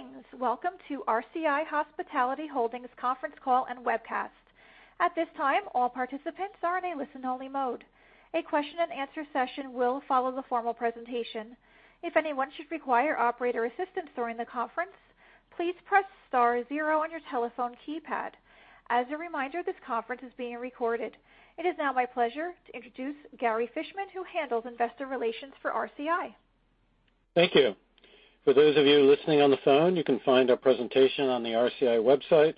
Greetings. Welcome to RCI Hospitality Holdings Conference Call and Webcast. At this time, all participants are in a listen-only mode. A question and answer session will follow the formal presentation. If anyone should require operator assistance during the conference, please press star zero on your telephone keypad. As a reminder, this conference is being recorded. It is now my pleasure to introduce Gary Fishman, who handles investor relations for RCI. Thank you. For those of you listening on the phone, you can find our presentation on the RCI website.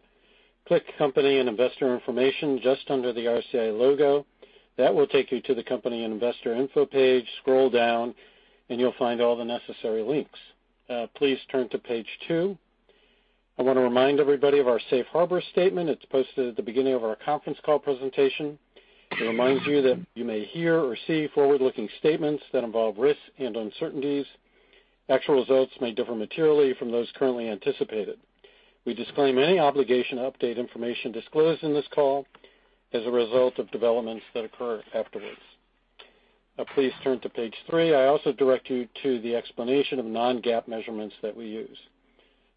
Click "Company and Investor Information" just under the RCI logo. That will take you to the Company and Investor Info page. Scroll down and you'll find all the necessary links. Please turn to page two. I want to remind everybody of our safe harbor statement. It's posted at the beginning of our conference call presentation. It reminds you that you may hear or see forward-looking statements that involve risks and uncertainties. Actual results may differ materially from those currently anticipated. We disclaim any obligation to update information disclosed in this call as a result of developments that occur afterward. Now please turn to page three. I also direct you to the explanation of non-GAAP measurements that we use.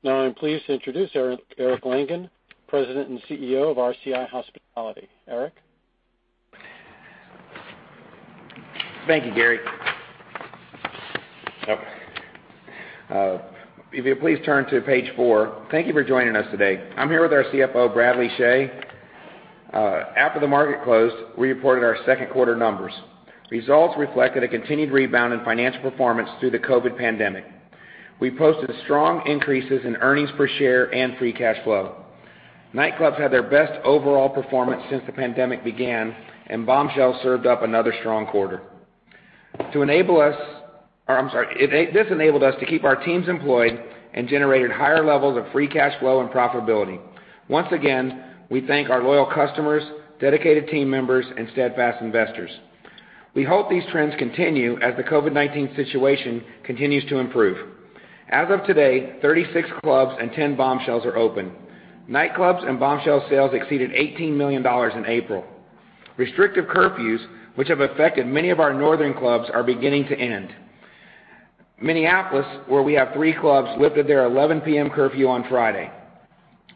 Now I'm pleased to introduce Eric Langan, President and CEO of RCI Hospitality. Eric? Thank you, Gary. If you'll please turn to page four. Thank you for joining us today. I'm here with our CFO, Bradley Chhay. After the market closed, we reported our second-quarter numbers. Results reflected a continued rebound in financial performance through the COVID pandemic. We posted strong increases in earnings per share and free cash flow. Nightclubs had their best overall performance since the pandemic began, and Bombshells served up another strong quarter. This enabled us to keep our teams employed and generated higher levels of free cash flow and profitability. Once again, we thank our loyal customers, dedicated team members, and steadfast investors. We hope these trends continue as the COVID-19 situation continues to improve. As of today, 36 clubs and 10 Bombshells are open. Nightclub and Bombshells sales exceeded $18 million in April. Restrictive curfews, which have affected many of our northern clubs, are beginning to end. Minneapolis, where we have three clubs, lifted its 11:00 P.M. curfew on Friday.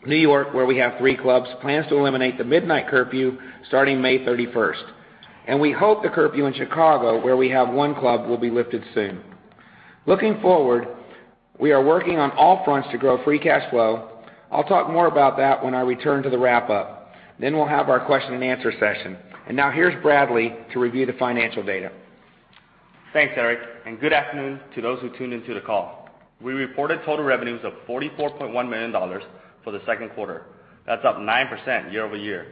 New York, where we have three clubs, plans to eliminate the midnight curfew starting May 31st. We hope the curfew in Chicago, where we have one club, will be lifted soon. Looking forward, we are working on all fronts to grow free cash flow. I'll talk more about that when I return to the wrap-up. We'll have our question and answer session. Now here's Bradley to review the financial data. Thanks, Eric. Good afternoon to those who tuned into the call. We reported total revenues of $44.1 million for the second quarter. That's up 9% year-over-year.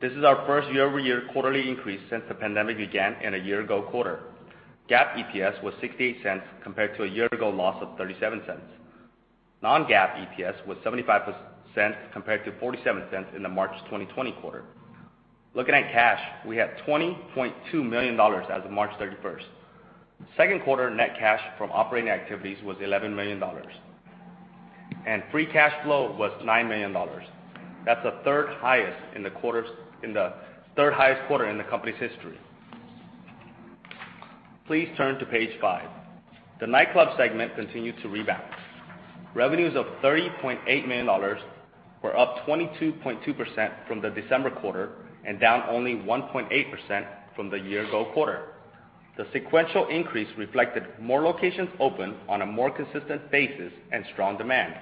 This is our first year-over-year quarterly increase since the pandemic began in the year-ago quarter. GAAP EPS was $0.68 compared to a year-ago loss of $0.37. Non-GAAP EPS was $0.75 compared to $0.47 in the March 2020 quarter. Looking at cash, we had $20.2 million as of March 31st. Second-quarter net cash from operating activities was $11 million, and free cash flow was $9 million. That's the third-highest quarter in the company's history. Please turn to page five. The Nightclub segment continued to rebound. Revenues of $30.8 million were up 22.2% from the December quarter and down only 1.8% from the year-ago quarter. The sequential increase reflected more locations open on a more consistent basis and strong demand.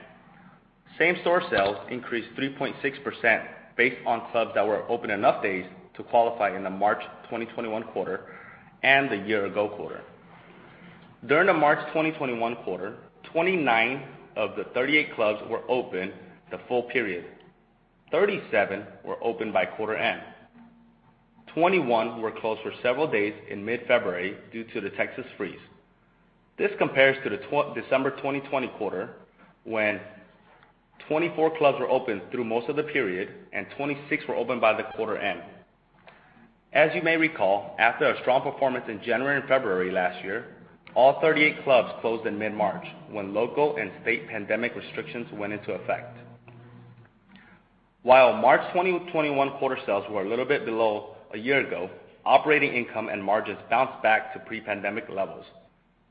Same-store sales increased 3.6% based on clubs that were open enough days to qualify in the March 2021 quarter and the year-ago quarter. During the March 2021 quarter, 29 of the 38 clubs were open the full period. Thirty-seven were open by quarter-end. Twenty-one were closed for several days in mid-February due to the Texas freeze. This compares to the December 2020 quarter when 24 clubs were open through most of the period, and 26 were open by the quarter-end. As you may recall, after a strong performance in January and February last year, all 38 clubs closed in mid-March when local and state pandemic restrictions went into effect. While March 2021 quarter sales were a little bit below a year ago, operating income and margins bounced back to pre-pandemic levels.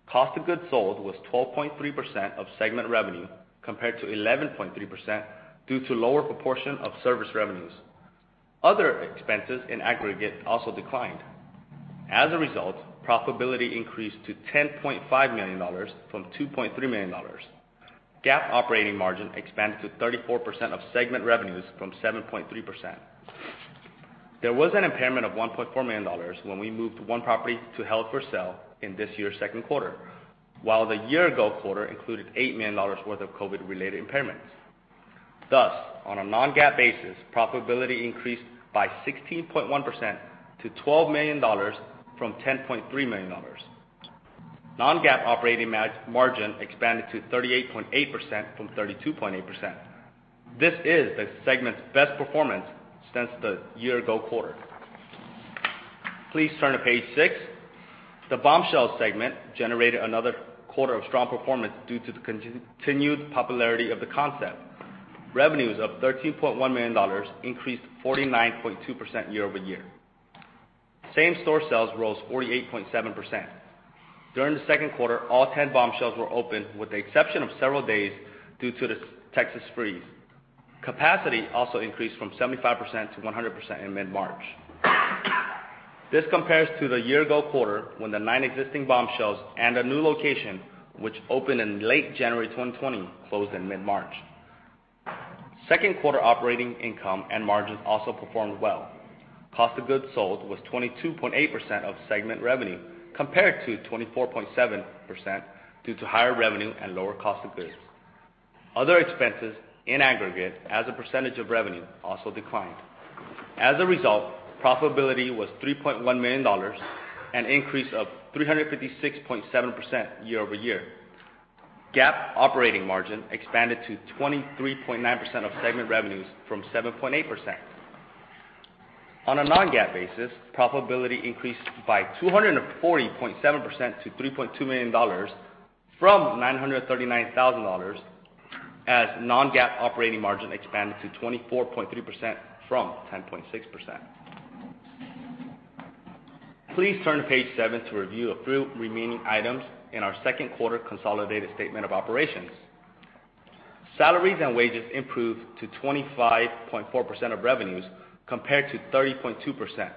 Cost of goods sold was 12.3% of segment revenue compared to 11.3% due to a lower proportion of service revenues. Other expenses in aggregate also declined. Profitability increased to $10.5 million from $2.3 million. GAAP operating margin expanded to 34% of segment revenues from 7.3%. There was an impairment of $1.4 million when we moved one property to held for sale in this year's second quarter, while the year-ago quarter included $8 million worth of COVID-related impairments. On a non-GAAP basis, profitability increased by 16.1% to $12 million from $10.3 million. Non-GAAP operating margin expanded to 38.8% from 32.8%. This is the segment's best performance since the year-ago quarter. Please turn to page six. The Bombshells segment generated another quarter of strong performance due to the continued popularity of the concept. Revenues of $13.1 million increased 49.2% year-over-year. Same-store sales rose 48.7%. During the second quarter, all 10 Bombshells were open with the exception of several days due to the Texas freeze. Capacity also increased from 75% to 100% in mid-March. This compares to the year-ago quarter when the nine existing Bombshells and a new location, which opened in late January 2020, closed in mid-March. Second-quarter operating income and margins also performed well. Cost of goods sold was 22.8% of segment revenue, compared to 24.7%, due to higher revenue and lower cost of goods. Other expenses in aggregate as a percentage of revenue also declined. As a result, profitability was $3.1 million, an increase of 356.7% year-over-year. GAAP operating margin expanded to 23.9% of segment revenues from 7.8%. On a non-GAAP basis, profitability increased by 240.7% to $3.2 million from $939,000 as non-GAAP operating margin expanded to 24.3% from 10.6%. Please turn to page seven to review a few remaining items in our second-quarter consolidated statement of operations. Salaries and wages improved to 25.4% of revenues compared to 30.2%.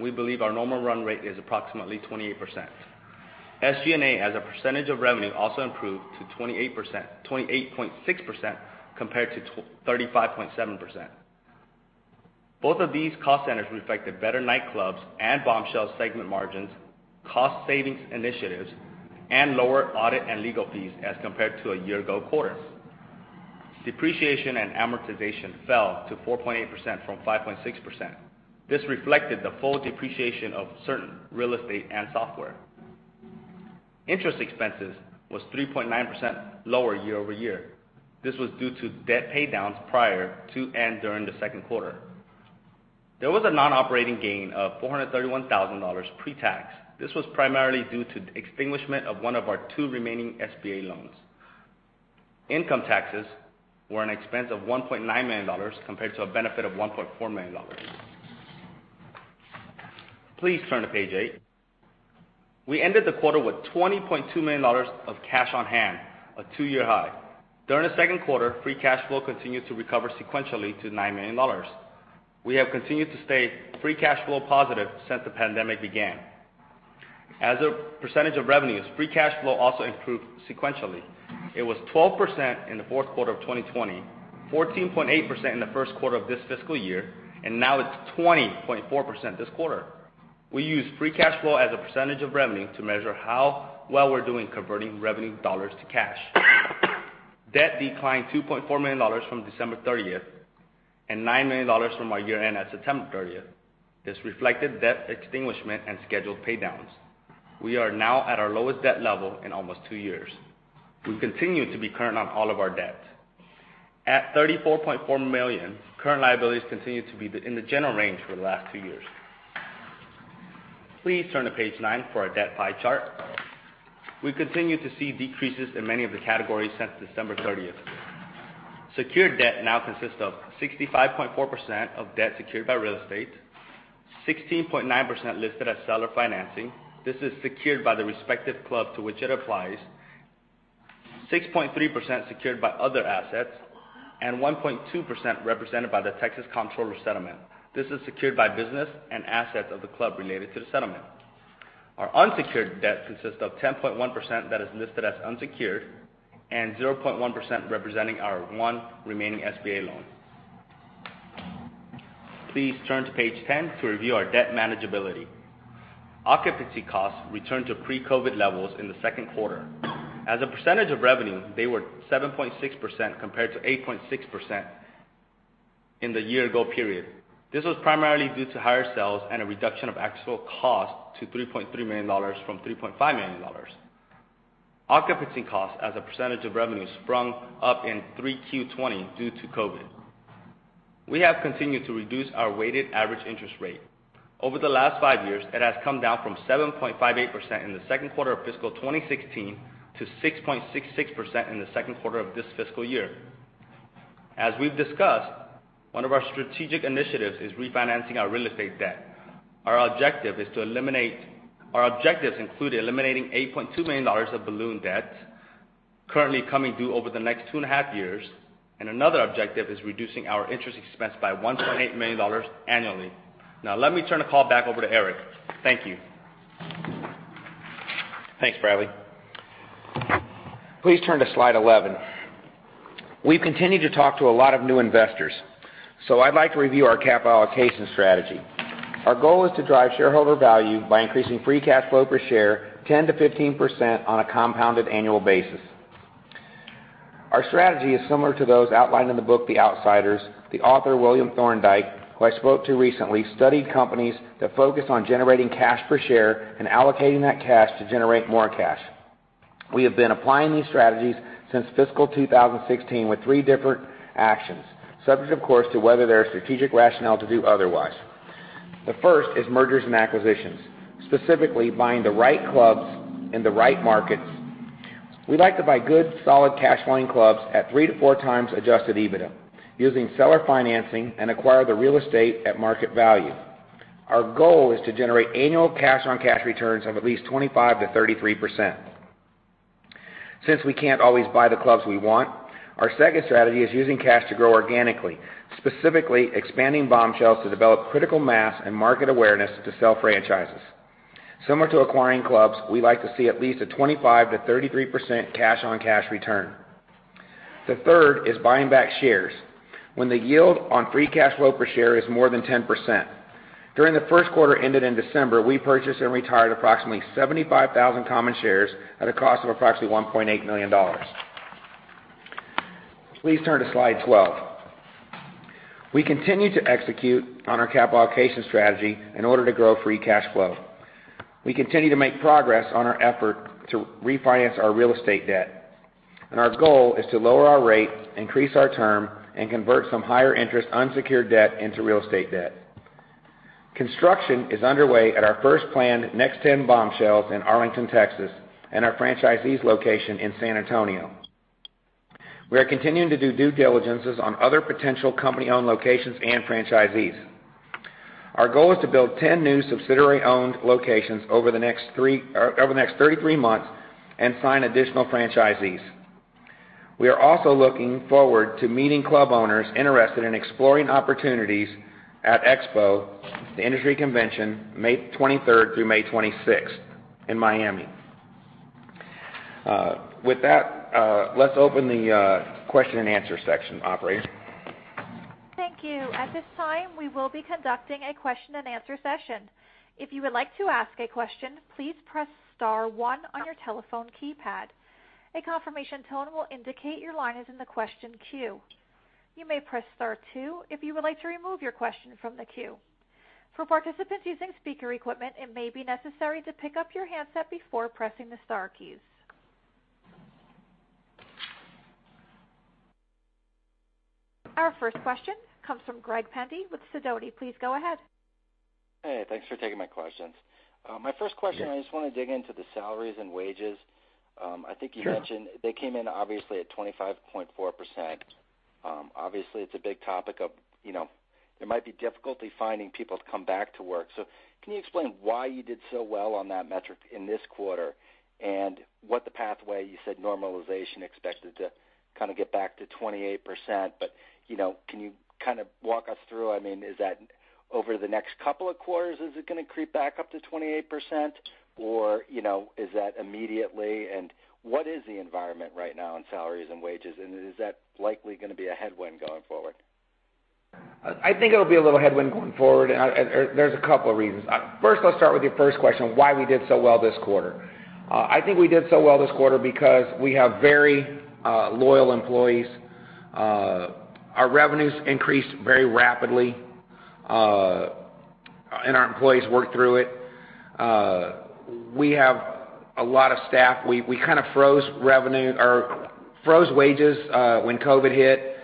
We believe our normal run rate is approximately 28%. SG&A as a percentage of revenue also improved to 28.6% compared to 35.7%. Both of these cost centers reflected better Nightclubs and Bombshells segment margins, cost savings initiatives, and lower audit and legal fees as compared to the year-ago quarter. Depreciation and amortization fell to 4.8% from 5.6%. This reflected the full depreciation of certain real estate and software. Interest expense was 3.9% lower year-over-year. This was due to debt paydowns prior to and during the second quarter. There was a non-operating gain of $431,000 pre-tax. This was primarily due to the extinguishment of one of our two remaining SBA loans. Income taxes were an expense of $1.9 million compared to a benefit of $1.4 million. Please turn to page eight. We ended the quarter with $20.2 million of cash on hand, a two-year high. During the second quarter, free cash flow continued to recover sequentially to $9 million. We have continued to stay free cash flow positive since the pandemic began. As a percentage of revenues, free cash flow also improved sequentially. It was 12% in the fourth quarter of 2020, 14.8% in the first quarter of this fiscal year, and now it's 20.4% this quarter. We use free cash flow as a percentage of revenue to measure how well we're doing converting revenue dollars to cash. Debt declined $2.4 million from December 30th and $9 million from our year-end at September 30th. This reflected debt extinguishment and scheduled paydowns. We are now at our lowest debt level in almost two years. We continue to be current on all of our debt. At $34.4 million, current liabilities continue to be in the general range for the last two years. Please turn to page nine for our debt pie chart. We continue to see decreases in many of the categories since December 30th. Secured debt now consists of 65.4% of debt secured by real estate, 16.9% listed as seller financing. This is secured by the respective club to which it applies. 6.3% secured by other assets and 1.2% represented by the Texas Comptroller settlement. This is secured by business and assets of the club related to the settlement. Our unsecured debt consists of 10.1% that is listed as unsecured and 0.1% representing our one remaining SBA loan. Please turn to page 10 to review our debt manageability. Occupancy costs returned to pre-COVID levels in the second quarter. As a percentage of revenue, they were 7.6% compared to 8.6% in the year-ago period. This was primarily due to higher sales and a reduction of actual costs to $3.3 million from $3.5 million. Occupancy costs as a percentage of revenue sprang up in 3Q20 due to COVID. We have continued to reduce our weighted average interest rate. Over the last five years, it has come down from 7.58% in the second quarter of fiscal 2016 to 6.66% in the second quarter of this fiscal year. As we've discussed, one of our strategic initiatives is refinancing our real estate debt. Our objectives include eliminating $8.2 million of balloon debt currently coming due over the next two and a half years, and another objective is reducing our interest expense by $1.8 million annually. Now, let me turn the call back over to Eric. Thank you. Thanks, Bradley. Please turn to slide 11. We've continued to talk to a lot of new investors. I'd like to review our capital allocation strategy. Our goal is to drive shareholder value by increasing free cash flow per share 10%-15% on a compounded annual basis. Our strategy is similar to those outlined in the book "The Outsiders." The author, William Thorndike, whom I spoke to recently, studied companies that focus on generating cash per share and allocating that cash to generate more cash. We have been applying these strategies since fiscal 2016 with three different actions, subject of course to whether there is a strategic rationale to do otherwise. The first is mergers and acquisitions, specifically buying the right clubs in the right markets. We like to buy good, solid, cash-flowing clubs at three to four times adjusted EBITDA, using seller financing and acquiring the real estate at market value. Our goal is to generate annual cash-on-cash returns of at least 25%-33%. Since we can't always buy the clubs we want, our second strategy is using cash to grow organically, specifically expanding Bombshells to develop critical mass and market awareness to sell franchises. Similar to acquiring clubs, we like to see at least a 25%-33% cash-on-cash return. The third is buying back shares when the yield on free cash flow per share is more than 10%. During the first quarter that ended in December, we purchased and retired approximately 75,000 common shares at a cost of approximately $1.8 million. Please turn to slide 12. We continue to execute on our capital allocation strategy in order to grow free cash flow. We continue to make progress on our effort to refinance our real estate debt, and our goal is to lower our rate, increase our term, and convert some higher interest unsecured debt into real estate debt. Construction is underway at our first planned next 10 Bombshells in Arlington, Texas, and our franchisee's location in San Antonio. We are continuing to do due diligence on other potential company-owned locations and franchisees. Our goal is to build 10 new subsidiary-owned locations over the next 33 months and sign additional franchisees. We are also looking forward to meeting club owners interested in exploring opportunities at Expo, the industry convention, May 23rd through May 26th in Miami. With that, let's open the question and answer section. Operator? Thank you. Our first question comes from Greg Pendy with Sidoti. Please go ahead. Hey, thanks for taking my questions. Yes I just want to dig into the salaries and wages. I think you mentioned they came in at 25.4%. Obviously, it's a big topic. There might be difficulty finding people to come back to work. Can you explain why you did so well on that metric this quarter, and what the pathway is? You said normalization is expected to kind of get back to 28%, but can you kind of walk us through? Is that over the next couple of quarters? Is it going to creep back up to 28%, or is that immediately? What is the environment right now concerning salaries and wages, and is that likely going to be a headwind going forward? I think it'll be a little headwind going forward, and there are a couple of reasons. First, let's start with your first question, why we did so well this quarter. I think we did so well this quarter because we have very loyal employees. Our revenues increased very rapidly, and our employees worked through it. We have a lot of staff. We kind of froze wages when COVID hit.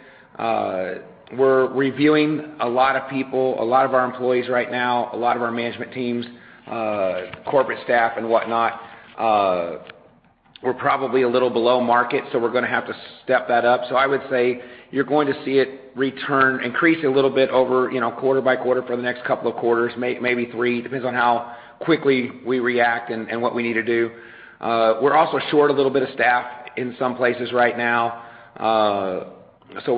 We're reviewing a lot of people, a lot of our employees right now, a lot of our management teams, corporate staff, and whatnot. We're probably a little below market. We're going to have to step that up. I would say you're going to see it increase a little bit quarter by quarter for the next couple of quarters, maybe three. It depends on how quickly we react and what we need to do. We're also a little short-staffed in some places right now, so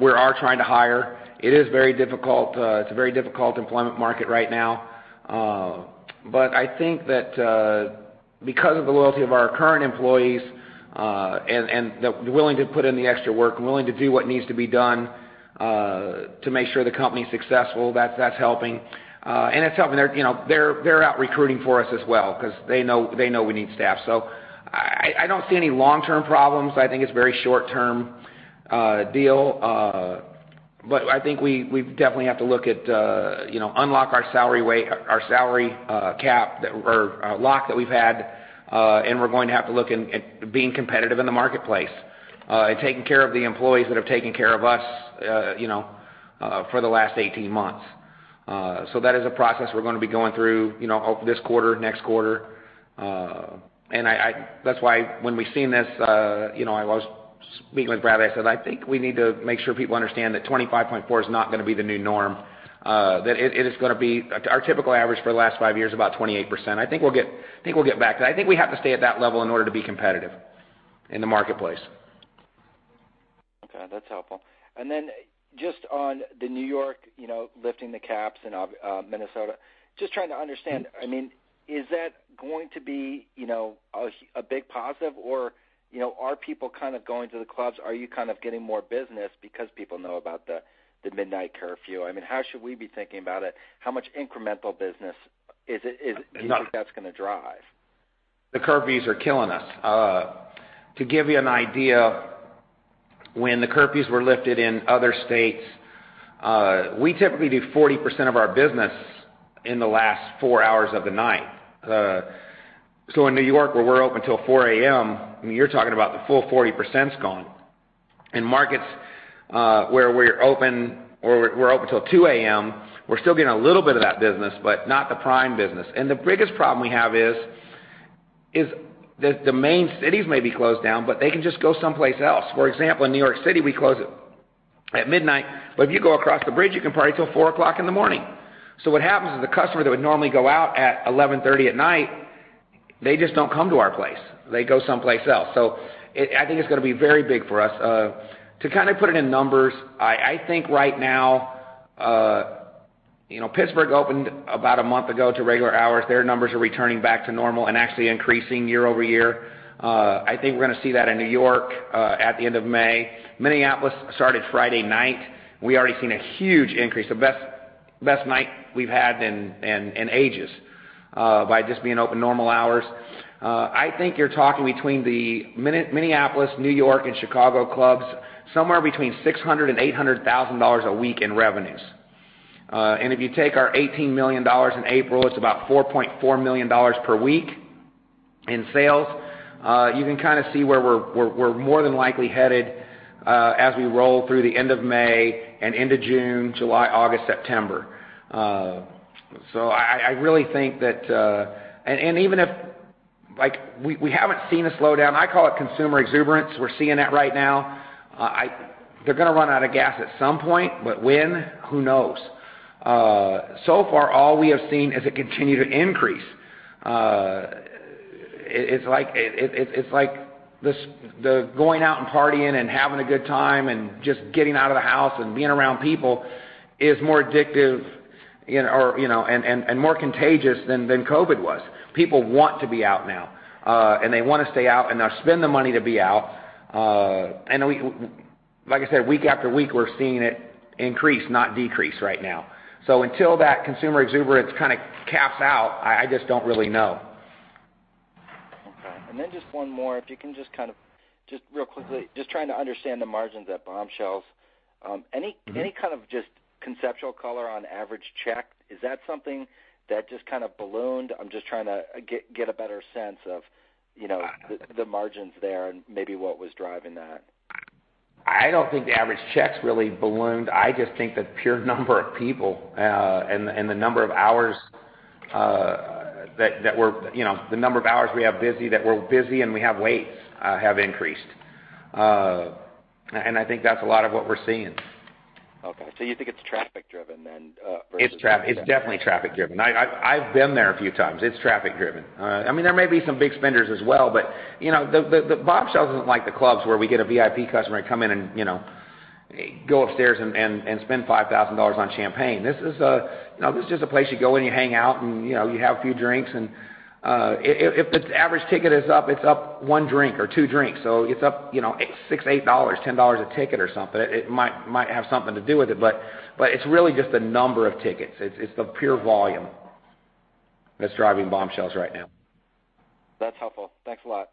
we are trying to hire. It is very difficult. It's a very difficult employment market right now. I think that because of the loyalty of our current employees, and their willingness to put in the extra work, willing to do what needs to be done to make sure the company's successful, that's helping. It's helping that they're out recruiting for us as well because they know we need staff. I don't see any long-term problems. I think it's a very short-term deal. I think we definitely have to unlock our salary cap that we've had, and we're going to have to look at being competitive in the marketplace and taking care of the employees that have taken care of us for the last 18 months. That is a process we're going to be going through this quarter, next quarter. That's why when we've seen this, I was speaking with Brad, I said, "I think we need to make sure people understand that 25.4 is not going to be the new norm." Our typical average for the last five years is about 28%. I think we'll get back to that. I think we have to stay at that level in order to be competitive in the marketplace. Okay. That's helpful. Then, just on New York lifting the caps and Minnesota, I'm trying to understand if that's going to be a big positive or if people are kind of going to the clubs. Are you kind of getting more business because people know about the midnight curfew? How should we be thinking about it? How much incremental business do you think that's going to drive? The curfews are killing us. To give you an idea, when the curfews were lifted in other states, we typically do 40% of our business in the last four hours of the night. In New York, where we're open until 4:00 A.M., you're talking about the full 40% being gone. In markets where we're open until 2:00 A.M., we're still getting a little bit of that business, but not the prime business. The biggest problem we have is that the main cities may be closed down, but people can just go someplace else. For example, in New York City, we close at midnight, but if you go across the bridge, you can party until 4:00 in the morning. What happens is the customer who would normally go out at 11:30 at night just doesn't come to our place. They go someplace else. I think it's going to be very big for us. To put it in numbers, I think right now, Pittsburgh opened about a month ago to regular hours. Their numbers are returning to normal and actually increasing year over year. I think we're going to see that in New York at the end of May. Minneapolis started Friday night. We've already seen a huge increase, the best night we've had in ages, by just being open normal hours. I think you're talking between the Minneapolis, New York, and Chicago clubs, somewhere between $600,000 and $800,000 a week in revenues. If you take our $18 million in April, it's about $4.4 million per week in sales. You can kind of see where we're more than likely headed as we roll through the end of May and into June, July, August, September. We haven't seen a slowdown. I call it consumer exuberance. We're seeing that right now. They're going to run out of gas at some point, but when? Who knows? For all we have seen is it continue to increase. It's like going out and partying and having a good time and just getting out of the house and being around people is more addictive and more contagious than COVID was. People want to be out now, and they want to stay out, and they'll spend the money to be out. Like I said, week after week, we're seeing it increase, not decrease right now. Until that consumer exuberance kind of caps out, I just don't really know. Okay. Then just one more, if you can, just real quickly, just trying to understand the margins at Bombshells. Any kind of just conceptual color on average check? Is that something that just kind of ballooned? I'm just trying to get a better sense of the margins there and maybe what was driving that. I don't think the average checks really ballooned. I just think the pure number of people and the number of hours we have busy, that we're busy and we have waits, have increased. I think that's a lot of what we're seeing. Okay, you think it's traffic driven then, versus-? It's definitely traffic-driven. I've been there a few times. It's traffic-driven. There may be some big spenders as well, but Bombshells isn't like the clubs where we get a VIP customer who comes in and goes upstairs and spends $5,000 on champagne. This is just a place you go to hang out and have a few drinks. If its average ticket is up, it's up one or two drinks, so it's up $6, $8, or $10 a ticket or something. It might have something to do with it, but it's really just the number of tickets. It's the pure volume that's driving Bombshells right now. That's helpful. Thanks a lot.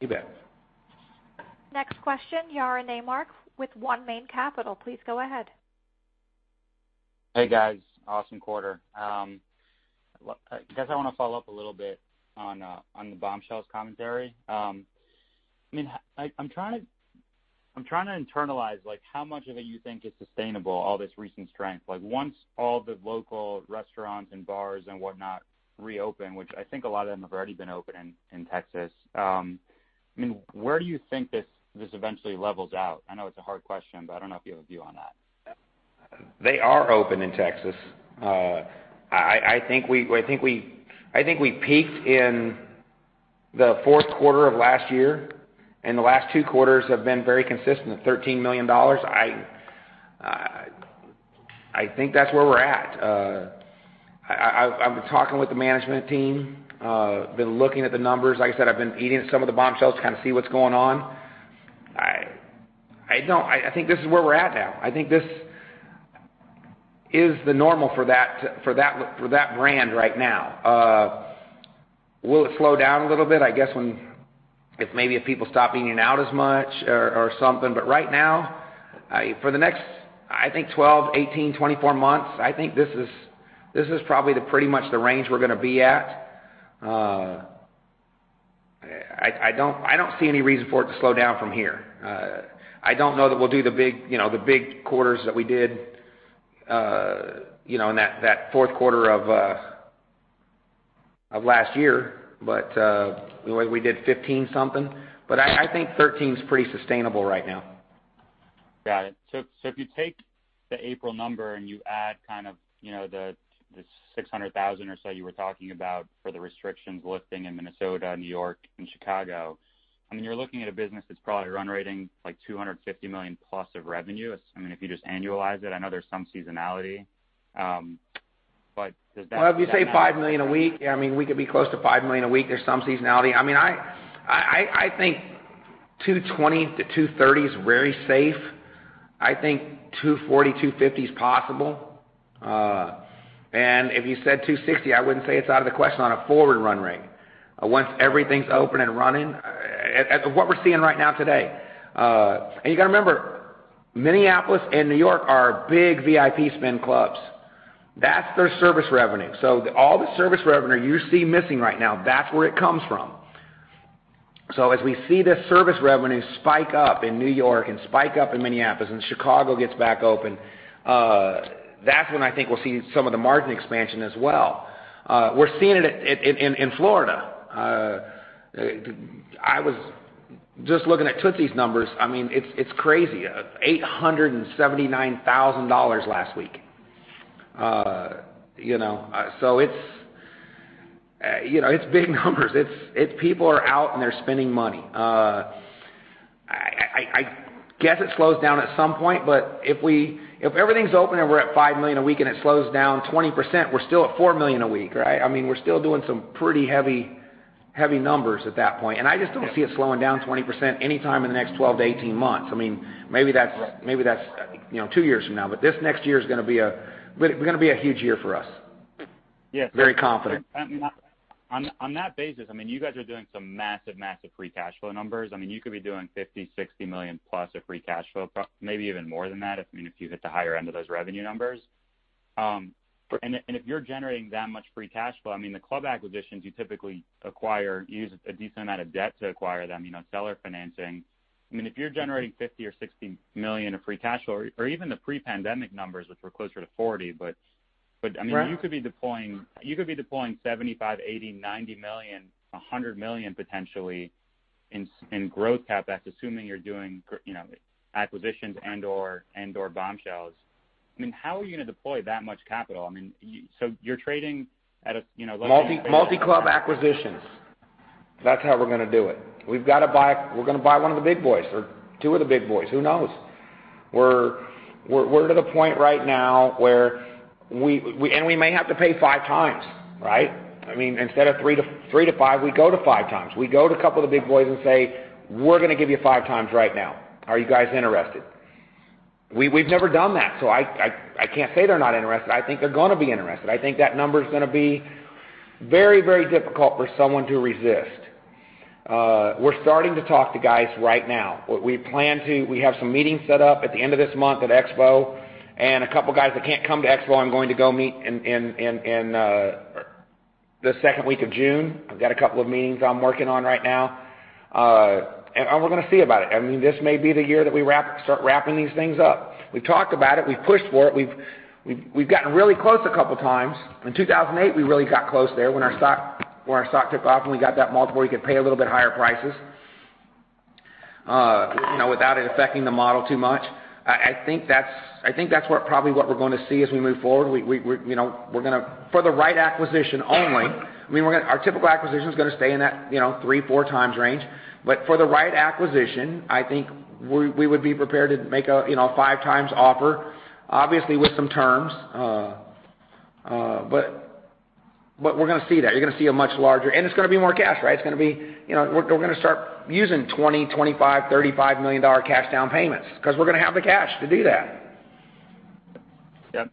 You bet. Next question, Yaron Naymark with 1 Main Capital. Please go ahead. Hey, guys. Awesome quarter. I guess I want to follow up a little bit on the Bombshells commentary. I'm trying to internalize how much of it you think is sustainable, all this recent strength. Once all the local restaurants and bars and whatnot reopen, which I think a lot of them have already been open in Texas, where do you think this eventually levels out? I know it's a hard question, but I don't know if you have a view on that. They are open in Texas. I think we peaked in the fourth quarter of last year, and the last two quarters have been very consistent at $13 million. I think that's where we're at. I've been talking with the management team, been looking at the numbers. Like I said, I've been eating at some of the Bombshells to kind of see what's going on. I think this is where we're at now. I think this is the normal for that brand right now. Will it slow down a little bit? I guess maybe if people stop eating out as much or something. Right now, for the next, I think 12, 18, 24 months, I think this is probably pretty much the range we're going to be at. I don't see any reason for it to slow down from here. I don't know that we'll do the big quarters that we did in that fourth quarter of last year, but we did $15-something. I think $13 is pretty sustainable right now. Got it. If you take the April number and you add kind of the $600,000 or so you were talking about for the restrictions lifting in Minnesota, New York, and Chicago, you're looking at a business that's probably run-rating like $250 million-plus of revenue. If you just annualize it, I know there's some seasonality, but does that. Well, if you say $5 million a week, we could be close to $5 million a week. There's some seasonality. I think $220 million-$230 million is very safe. I think $240 million, $250 million is possible. If you said $260 million, I wouldn't say it's out of the question on a forward run rate. Once everything's open and running, at what we're seeing right now today. You've got to remember, Minneapolis and N.Y. are big VIP spend clubs. That's their service revenue. All the service revenue you see missing right now, that's where it comes from. As we see this service revenue spike up in N.Y. and spike up in Minneapolis, and Chicago gets back open, that's when I think we'll see some of the margin expansion as well. We're seeing it in Florida. I was just looking at Tootsie's numbers. It's crazy. $879,000 last week. It's big numbers. People are out, and they're spending money. I guess it slows down at some point, but if everything's open and we're at $5 million a week and it slows down 20%, we're still at $4 million a week, right? We're still doing some pretty heavy numbers at that point, and I just don't see it slowing down 20% anytime in the next 12 to 18 months. Maybe that's two years from now, but this next year is going to be a huge year for us. Yes. Very confident. On that basis, you guys are doing some massive free cash flow numbers. You could be doing $50 million, $60 million plus of free cash flow, maybe even more than that if you hit the higher end of those revenue numbers. If you're generating that much free cash flow, the club acquisitions, you typically use a decent amount of debt to acquire them, seller financing. If you're generating $50 million or $60 million of free cash flow, or even the pre-pandemic numbers, which were closer to $40 million. Right You could be deploying $75 million, $80 million, $90 million, $100 million potentially in growth CapEx, assuming you're doing acquisitions and/or Bombshells. How are you going to deploy that much capital? Multi-club acquisitions. That's how we're going to do it. We're going to buy one of the big boys or two of the big boys, who knows? We're at the point right now where we may have to pay five times, right? Instead of three to five, we go to five times. We go to a couple of the big boys and say, "We're going to give you five times right now. Are you guys interested?" We've never done that, so I can't say they're not interested. I think they're going to be interested. I think that number's going to be very difficult for someone to resist. We're starting to talk to guys right now. We have some meetings set up at the end of this month at EXPO, and a couple of guys that can't come to EXPO, I'm going to go meet in the second week of June. I've got a couple of meetings I'm working on right now. We're going to see about it. This may be the year that we start wrapping these things up. We've talked about it. We've pushed for it. We've gotten really close a couple of times. In 2008, we really got close there when our stock took off, and we got that multiple where you could pay a little bit higher prices without it affecting the model too much. I think that's probably what we're going to see as we move forward. For the right acquisition only, our typical acquisition is going to stay in that 3x, 4x range. For the right acquisition, I think we would be prepared to make a 5x offer, obviously with some terms. We're going to see that. It's going to be more cash, right? We're going to start using $20 million, $25 million, $35 million cash down payments because we're going to have the cash to do that. Yep.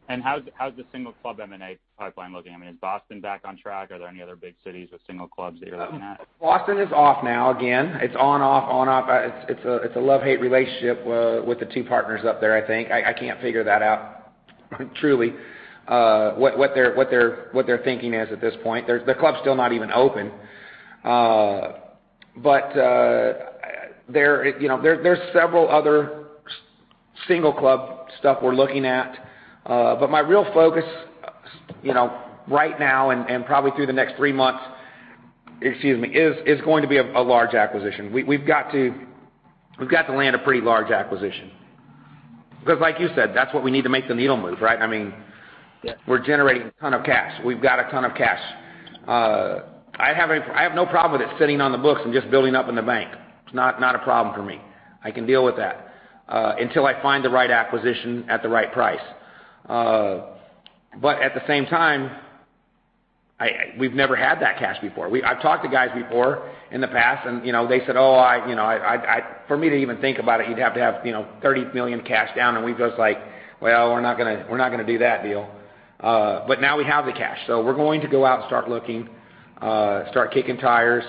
How's the single club M&A pipeline looking? Is Boston back on track? Are there any other big cities with single clubs that you're looking at? Boston is off again. It's on, off. It's a love-hate relationship with the two partners up there, I think. I can't truly figure that out, what their thinking is at this point. The club's still not even open. There are several other single club things we're looking at. My real focus right now and probably through the next three months is going to be a large acquisition. We've got to land a pretty large acquisition. Like you said, that's what we need to make the needle move, right? Yeah. We're generating a ton of cash. We've got a ton of cash. I have no problem with it sitting on the books and just building up in the bank. It's not a problem for me. I can deal with that until I find the right acquisition at the right price. At the same time, we've never had that cash before. I've talked to guys before in the past, and they said, "Oh, for me to even think about it, you'd have to have $30 million cash down." We were just like, "Well, we're not going to do that deal." Now we have the cash. We're going to go out and start looking, start kicking tires,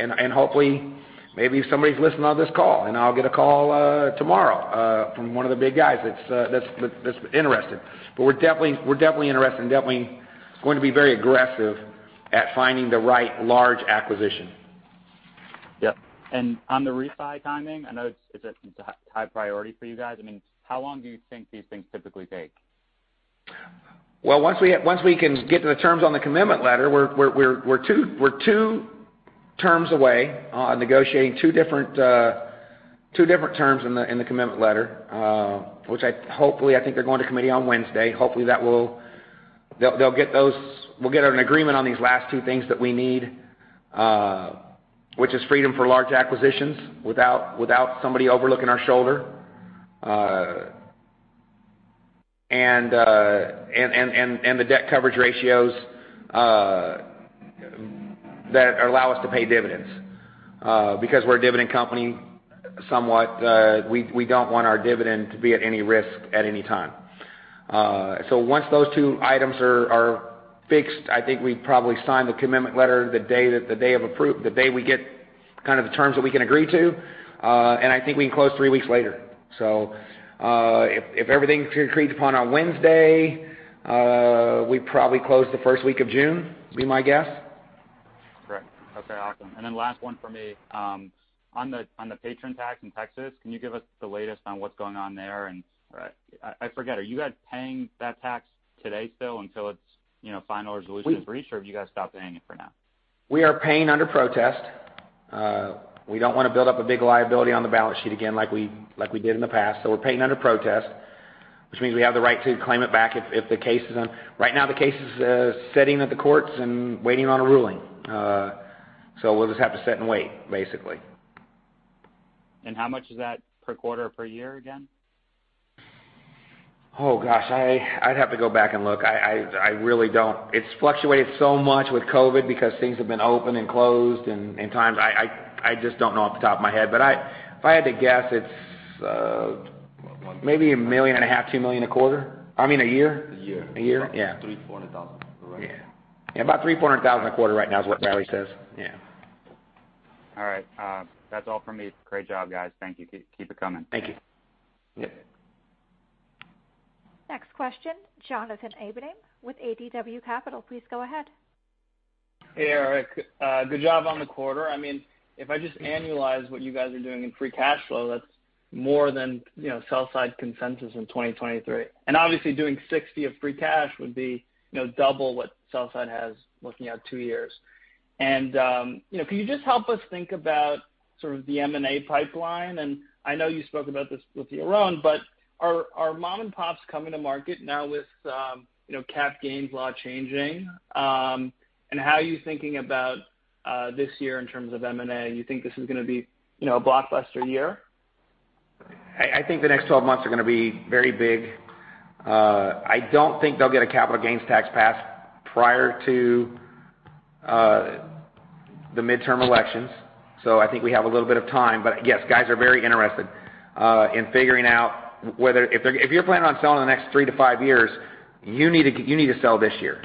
and hopefully maybe somebody's listening on this call, and I'll get a call tomorrow from one of the big guys that's interested. We're definitely interested and definitely going to be very aggressive at finding the right large acquisition. Yep. On the refi timing, I know it's a high priority for you guys. How long do you think these things typically take? Well, once we can agree on the terms of the commitment letter, we're two terms away from negotiating two different terms in the commitment letter, which hopefully, I think they're going to committee on Wednesday. Hopefully, we'll get an agreement on these last two things that we need, which is freedom for large acquisitions without somebody looking over our shoulder, and the debt coverage ratios that allow us to pay dividends. Because we're somewhat of a dividend company, we don't want our dividend to be at any risk at any time. Once those two items are fixed, I think we'd probably sign the commitment letter the day we get the terms that we can agree to. I think we can close three weeks later. If everything's agreed upon on Wednesday, we'd probably close the first week of June, would be my guess. Correct. Okay, awesome. Last one from me. On the patron tax in Texas, can you give us the latest on what's going on there? Right. I forget, are you guys paying that tax today still until its final resolution is reached, or have you guys stopped paying it for now? We are paying under protest. We don't want to build up a big liability on the balance sheet again, like we did in the past. We're paying under protest, which means we have the right to claim it back if the case is ongoing. Right now, the case is sitting in the courts and waiting on a ruling. We'll just have to sit and wait, basically. How much is that per quarter or per year again? Oh, gosh. I'd have to go back and look. It's fluctuated so much with COVID because things have been open and closed, and in times, I just don't know off the top of my head. If I had to guess, it's. One- maybe a million and a half, $2 million a quarter. I mean, a year. A year. A year, yeah. Three, $400,000, correct? Yeah. About $300,000-$400,000 a quarter right now is what Riley says. Yeah. All right. That's all from me. Great job, guys. Thank you. Keep it coming. Thank you. Yeah. Next question, Jonathan Abeniam with ADW Capital. Please go ahead. Hey, Eric. Good job on the quarter. If I just annualize what you guys are doing in free cash flow, that's more than sell-side consensus in 2023. Obviously, doing $60 million of free cash would be double what sell-side has looking out two years. Can you just help us think about the M&A pipeline? I know you spoke about this with Yaron. Are mom-and-pops coming to market now with cap gains law changing? How are you thinking about this year in terms of M&A? Do you think this is going to be a blockbuster year? I think the next 12 months are going to be very big. I don't think they'll get a capital gains tax passed prior to the midterm elections. I think we have a little bit of time. Yes, guys are very interested in figuring out whether, if you're planning on selling in the next three to five years, you need to sell this year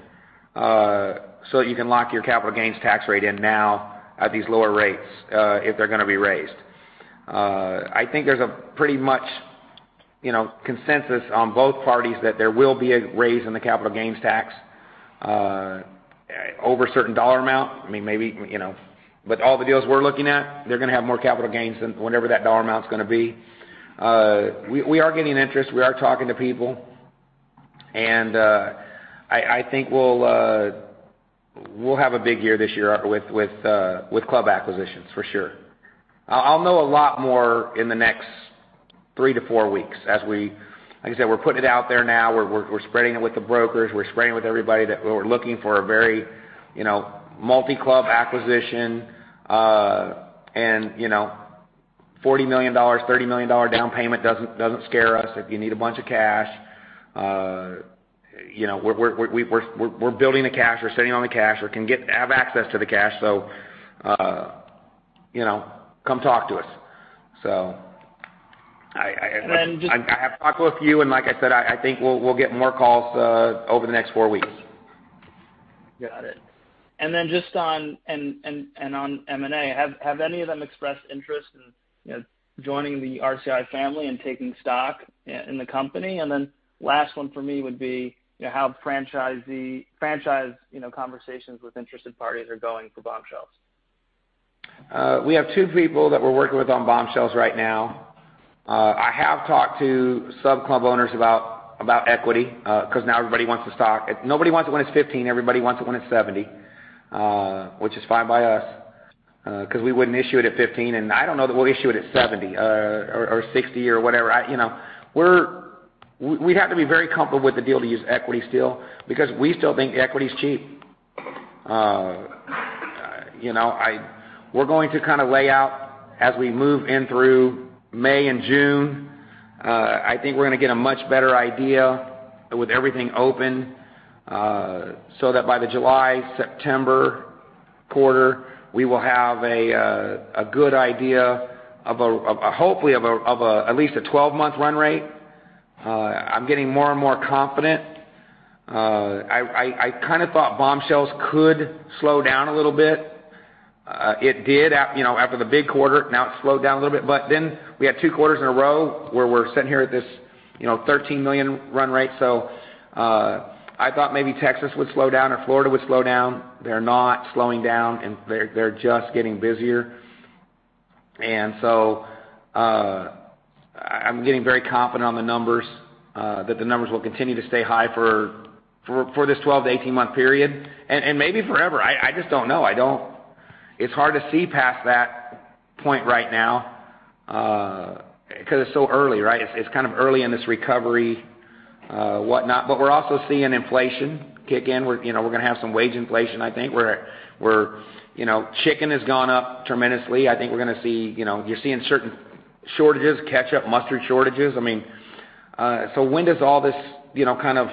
so that you can lock your capital gains tax rate in now at these lower rates, if they're going to be raised. I think there's pretty much a consensus on both parties that there will be a raise in the capital gains tax over a certain dollar amount. All the deals we're looking at are going to have more capital gains than whatever that dollar amount is going to be. We are getting interest. We are talking to people. I think we'll have a big year this year with club acquisitions, for sure. I'll know a lot more in the next three to four weeks. Like I said, we're putting it out there now. We're spreading the word with the brokers. We're spreading the word with everybody that we're looking for a very multi-club acquisition. A $40 million, $30 million down payment doesn't scare us if you need a bunch of cash. We're building the cash, we're sitting on the cash, or can have access to the cash, so come talk to us. And then just- I have talked with a few, and like I said, I think we'll get more calls over the next four weeks. Got it. Just on M&A, have any of them expressed interest in joining the RCI family and taking stock in the company? Last one for me would be how franchise conversations with interested parties are going for Bombshells. We have two people we're working with on Bombshells right now. I have talked to sub-club owners about equity because now everybody wants the stock. Nobody wants it when it's $15; everybody wants it when it's $70, which is fine by us because we wouldn't issue it at $15. I don't know that we'll issue it at $70 or $60 or whatever. We'd have to be very comfortable with the deal to still use equity because we still think equity is cheap. We're going to kind of lay out as we move through May and June. I think we're going to get a much better idea with everything open so that by the July-September quarter, we will hopefully have a good idea of at least a 12-month run rate. I'm getting more and more confident. I kind of thought Bombshells could slow down a little bit. It did after the big quarter. Now it's slowed down a little bit. We had two quarters in a row where we're sitting here at this $13 million run rate. I thought maybe Texas would slow down or Florida would slow down. They're not slowing down, and they're just getting busier. I'm getting very confident about the numbers, that the numbers will continue to stay high for this 12 to 18-month period, and maybe forever. I just don't know. It's hard to see past that point right now, because it's so early, right? It's kind of early in this recovery, and so on. We're also seeing inflation kick in. We're going to have some wage inflation, I think. Chicken has gone up tremendously. You're seeing certain shortages, ketchup, mustard shortages. When does all this kind of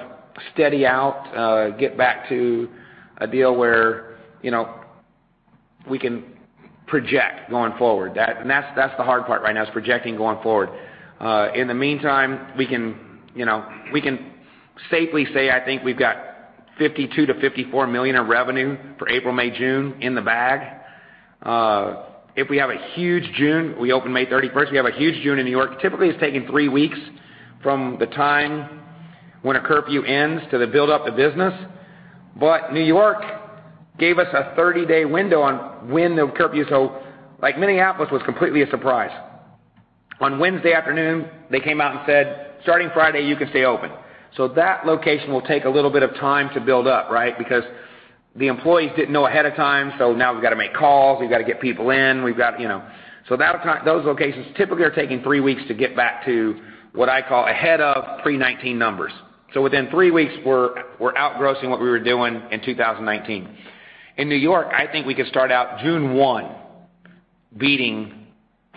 steady out, get back to a deal where we can project going forward? That's the hard part right now: projecting going forward. In the meantime, we can safely say, I think we've got $52 million-$54 million in revenue for April, May, June in the bag. If we have a huge June, we open May 31st, we have a huge June in N.Y. Typically, it's taken three weeks from the time a curfew ends to the build-up of business. New York gave us a 30-day window on when the curfew. Minneapolis was completely a surprise. On Wednesday afternoon, they came out and said, "Starting Friday, you can stay open." That location will take a little bit of time to build up, right? The employees didn't know ahead of time. Now we've got to make calls; we've got to get people in. Those locations typically take three weeks to get back to what I call pre-2019 numbers. Within three weeks, we're out-grossing what we were doing in 2019. In N.Y., I think we could start out June 1 beating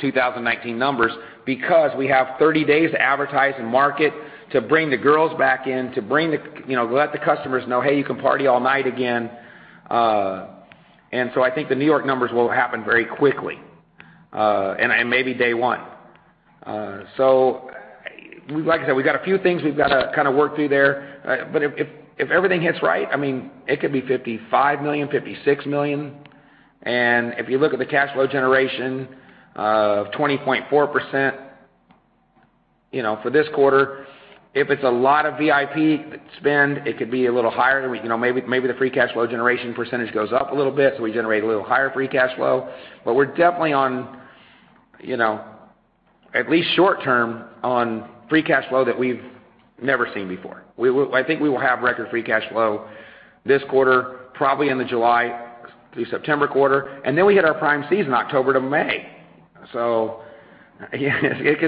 2019 numbers because we have 30 days to advertise and market, to bring the girls back in, to let the customers know, "Hey, you can party all night again." I think the N.Y. numbers will happen very quickly, and maybe day one. Like I said, we've got a few things we've got to kind of work through there. If everything hits right, it could be $55 million, $56 million. If you look at the cash flow generation of 20.4% for this quarter, if it's a lot of VIP spend, it could be a little higher. Maybe the free cash flow generation percentage goes up a little bit, so we generate a little higher free cash flow. We're definitely, at least short term, on free cash flow that we've never seen before. I think we will have record free cash flow this quarter, probably in the July through September quarter, and then we hit our prime season, October to May. It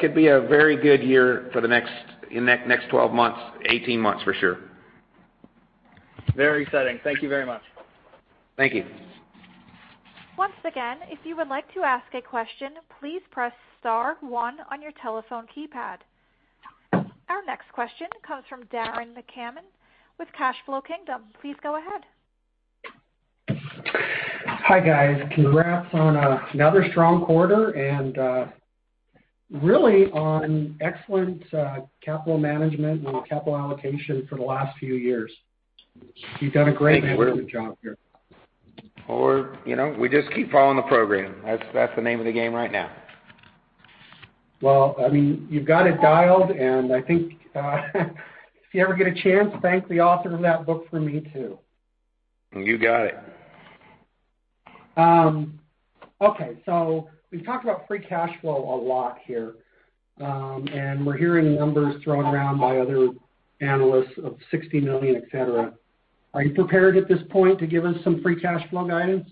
could be a very good year for the next 12 months, 18 months, for sure. Very exciting. Thank you very much. Thank you. Once again, if you would like to ask a question, please press star one on your telephone keypad. Our next question comes from Darren McCammon with Cash Flow Kingdom. Please go ahead. Hi, guys. Congrats on another strong quarter and really on excellent capital management and capital allocation for the last few years. You've done a great management job here. Well, we just keep following the program. That's the name of the game right now. Well, you've got it dialed, and I think if you ever get a chance, thank the author of that book for me, too. You got it. Okay. We've talked about free cash flow a lot here, and we're hearing numbers thrown around by other analysts of $60 million, et cetera. Are you prepared at this point to give us some free cash flow guidance?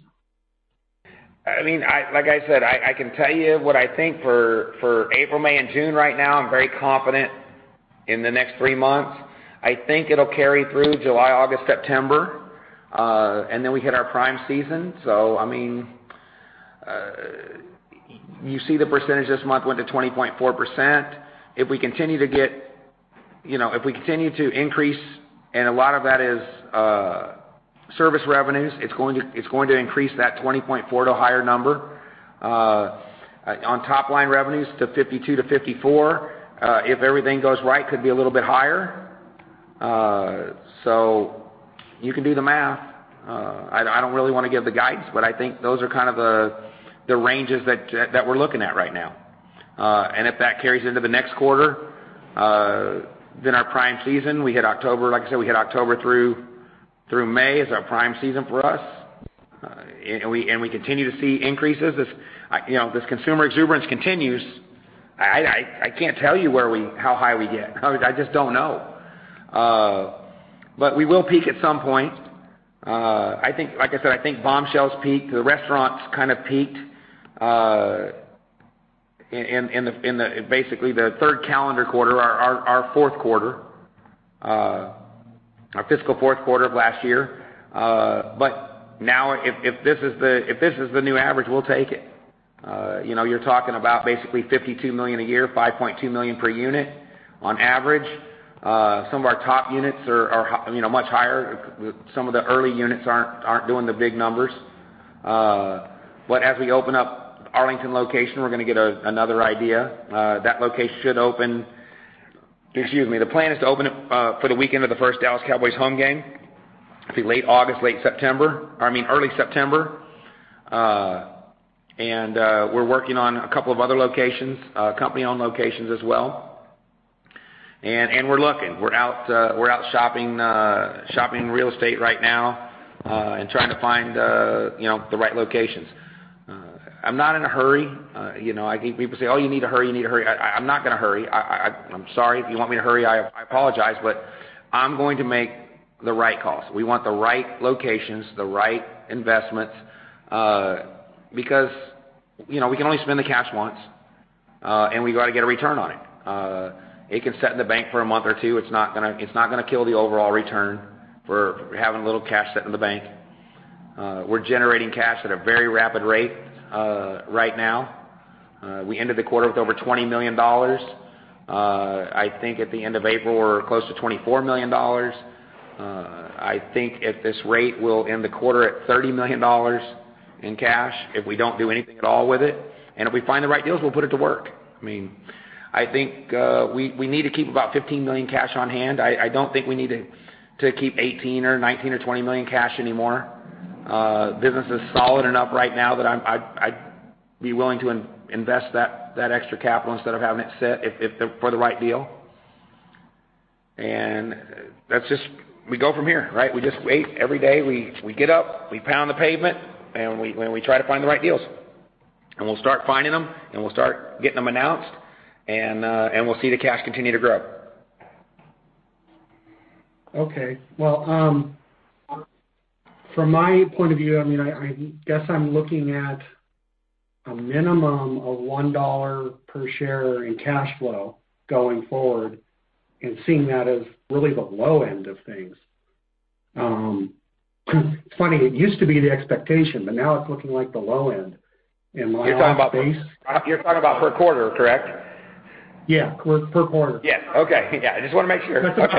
Like I said, I can tell you what I think for April, May, and June right now. I'm very confident in the next three months. I think it'll carry through July, August, September. Then we hit our prime season. You see the percentage this month went to 20.4%. If we continue to increase, and a lot of that is service revenues, it's going to increase that 20.4 to a higher number. On top-line revenues to $52-$54, if everything goes right, could be a little bit higher. You can do the math. I don't really want to give the guidance, but I think those are kind of the ranges that we're looking at right now. If that carries into the next quarter, then our prime season, like I said, we hit October through May is our prime season for us, and we continue to see increases. This consumer exuberance continues. I can't tell you how high we get. I just don't know. We will peak at some point. Like I said, I think Bombshells peaked. The restaurants kind of peaked in basically their third calendar quarter, our fourth quarter, our fiscal fourth quarter of last year. Now, if this is the new average, we'll take it. You're talking about basically $52 million a year, $5.2 million per unit on average. Some of our top units are much higher. Some of the early units aren't doing the big numbers. As we open up Arlington location, we're going to get another idea. That location should open. Excuse me. The plan is to open it for the weekend of the first Dallas Cowboys home game. It'll be late August, late September. I mean, early September. We're working on a couple of other locations, company-owned locations as well, and we're looking. We're out shopping real estate right now and trying to find the right locations. I'm not in a hurry. People say, "Oh, you need to hurry. You need to hurry." I'm not going to hurry. I'm sorry if you want me to hurry, I apologize, but I'm going to make the right calls. We want the right locations, the right investments, because we can only spend the cash once, and we got to get a return on it. It can sit in the bank for a month or two. It's not going to kill the overall return for having a little cash sit in the bank. We're generating cash at a very rapid rate right now. We ended the quarter with over $20 million. I think at the end of April, we're close to $24 million. I think at this rate, we'll end the quarter at $30 million in cash if we don't do anything at all with it. If we find the right deals, we'll put it to work. I think we need to keep about $15 million cash on hand. I don't think we need to keep $18 million or $19 million or $20 million cash anymore. Business is solid enough right now that I'd be willing to invest that extra capital instead of having it sit for the right deal. That's just, we go from here, right? We just wait. Every day, we get up, we pound the pavement, and we try to find the right deals. We'll start finding them, and we'll start getting them announced, and we'll see the cash continue to grow. Okay. Well, from my point of view, I guess I'm looking at a minimum of $1 per share in cash flow going forward and seeing that as really the low end of things. It's funny, it used to be the expectation, but now it's looking like the low end in my eyes. You're talking about per quarter, correct? Yeah. Per quarter. Yes. Okay. Yeah. I just want to make sure. Okay. Yeah. That's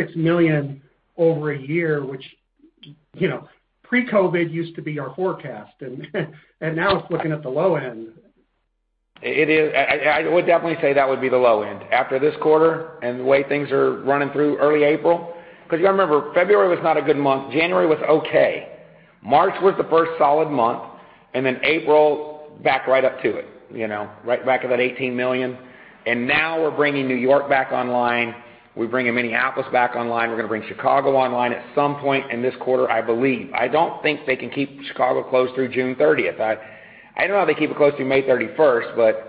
about $36 million over a year, which pre-COVID used to be our forecast, and now it's looking at the low end. It is. I would definitely say that would be the low end. After this quarter, the way things are running through early April, you've got to remember February was not a good month. January was okay. March was the first solid month, then April backed right up to it, right back to that $18 million. Now we're bringing New York back online. We're bringing Minneapolis back online. We're going to bring Chicago online at some point in this quarter, I believe. I don't think they can keep Chicago closed through June 30th. I don't know how they keep it closed through May 31st.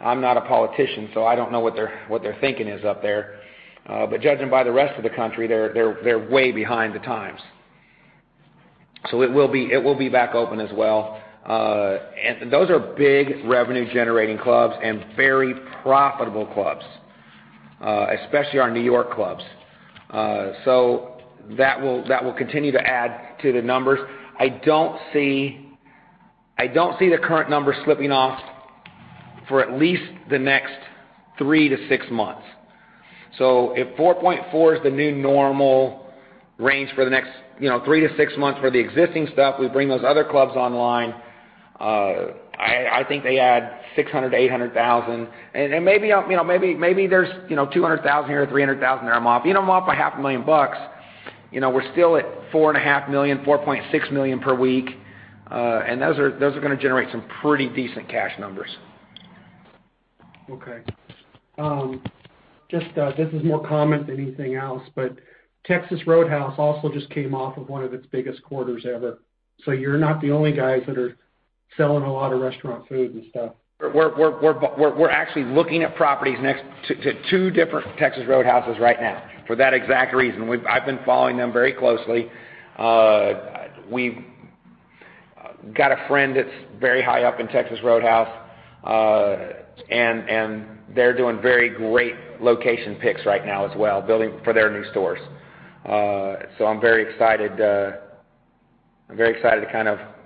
I'm not a politician. I don't know what their thinking is up there. Judging by the rest of the country, they're way behind the times. It will be back open as well. Those are big revenue-generating clubs and very profitable clubs, especially our N.Y. clubs. That will continue to add to the numbers. I don't see the current numbers slipping off for at least the next 3 to 6 months. If $4.4 million is the new normal range for the next 3 to 6 months for the existing stuff, we bring those other clubs online, I think they add $600,000 to $800,000. Maybe there's $200,000 or $300,000 there I'm off. Even if I'm off by half a million bucks, we're still at $4.5 million, $4.6 million per week. Those are going to generate some pretty decent cash numbers. Okay. Just this is more comment than anything else, Texas Roadhouse also just came off of one of its biggest quarters ever. You're not the only guys that are selling a lot of restaurant food and stuff. We're actually looking at properties next to two different Texas Roadhouses right now for that exact reason. I've been following them very closely. We've got a friend that's very high up in Texas Roadhouse, and they're doing very great location picks right now as well, building for their new stores. I'm very excited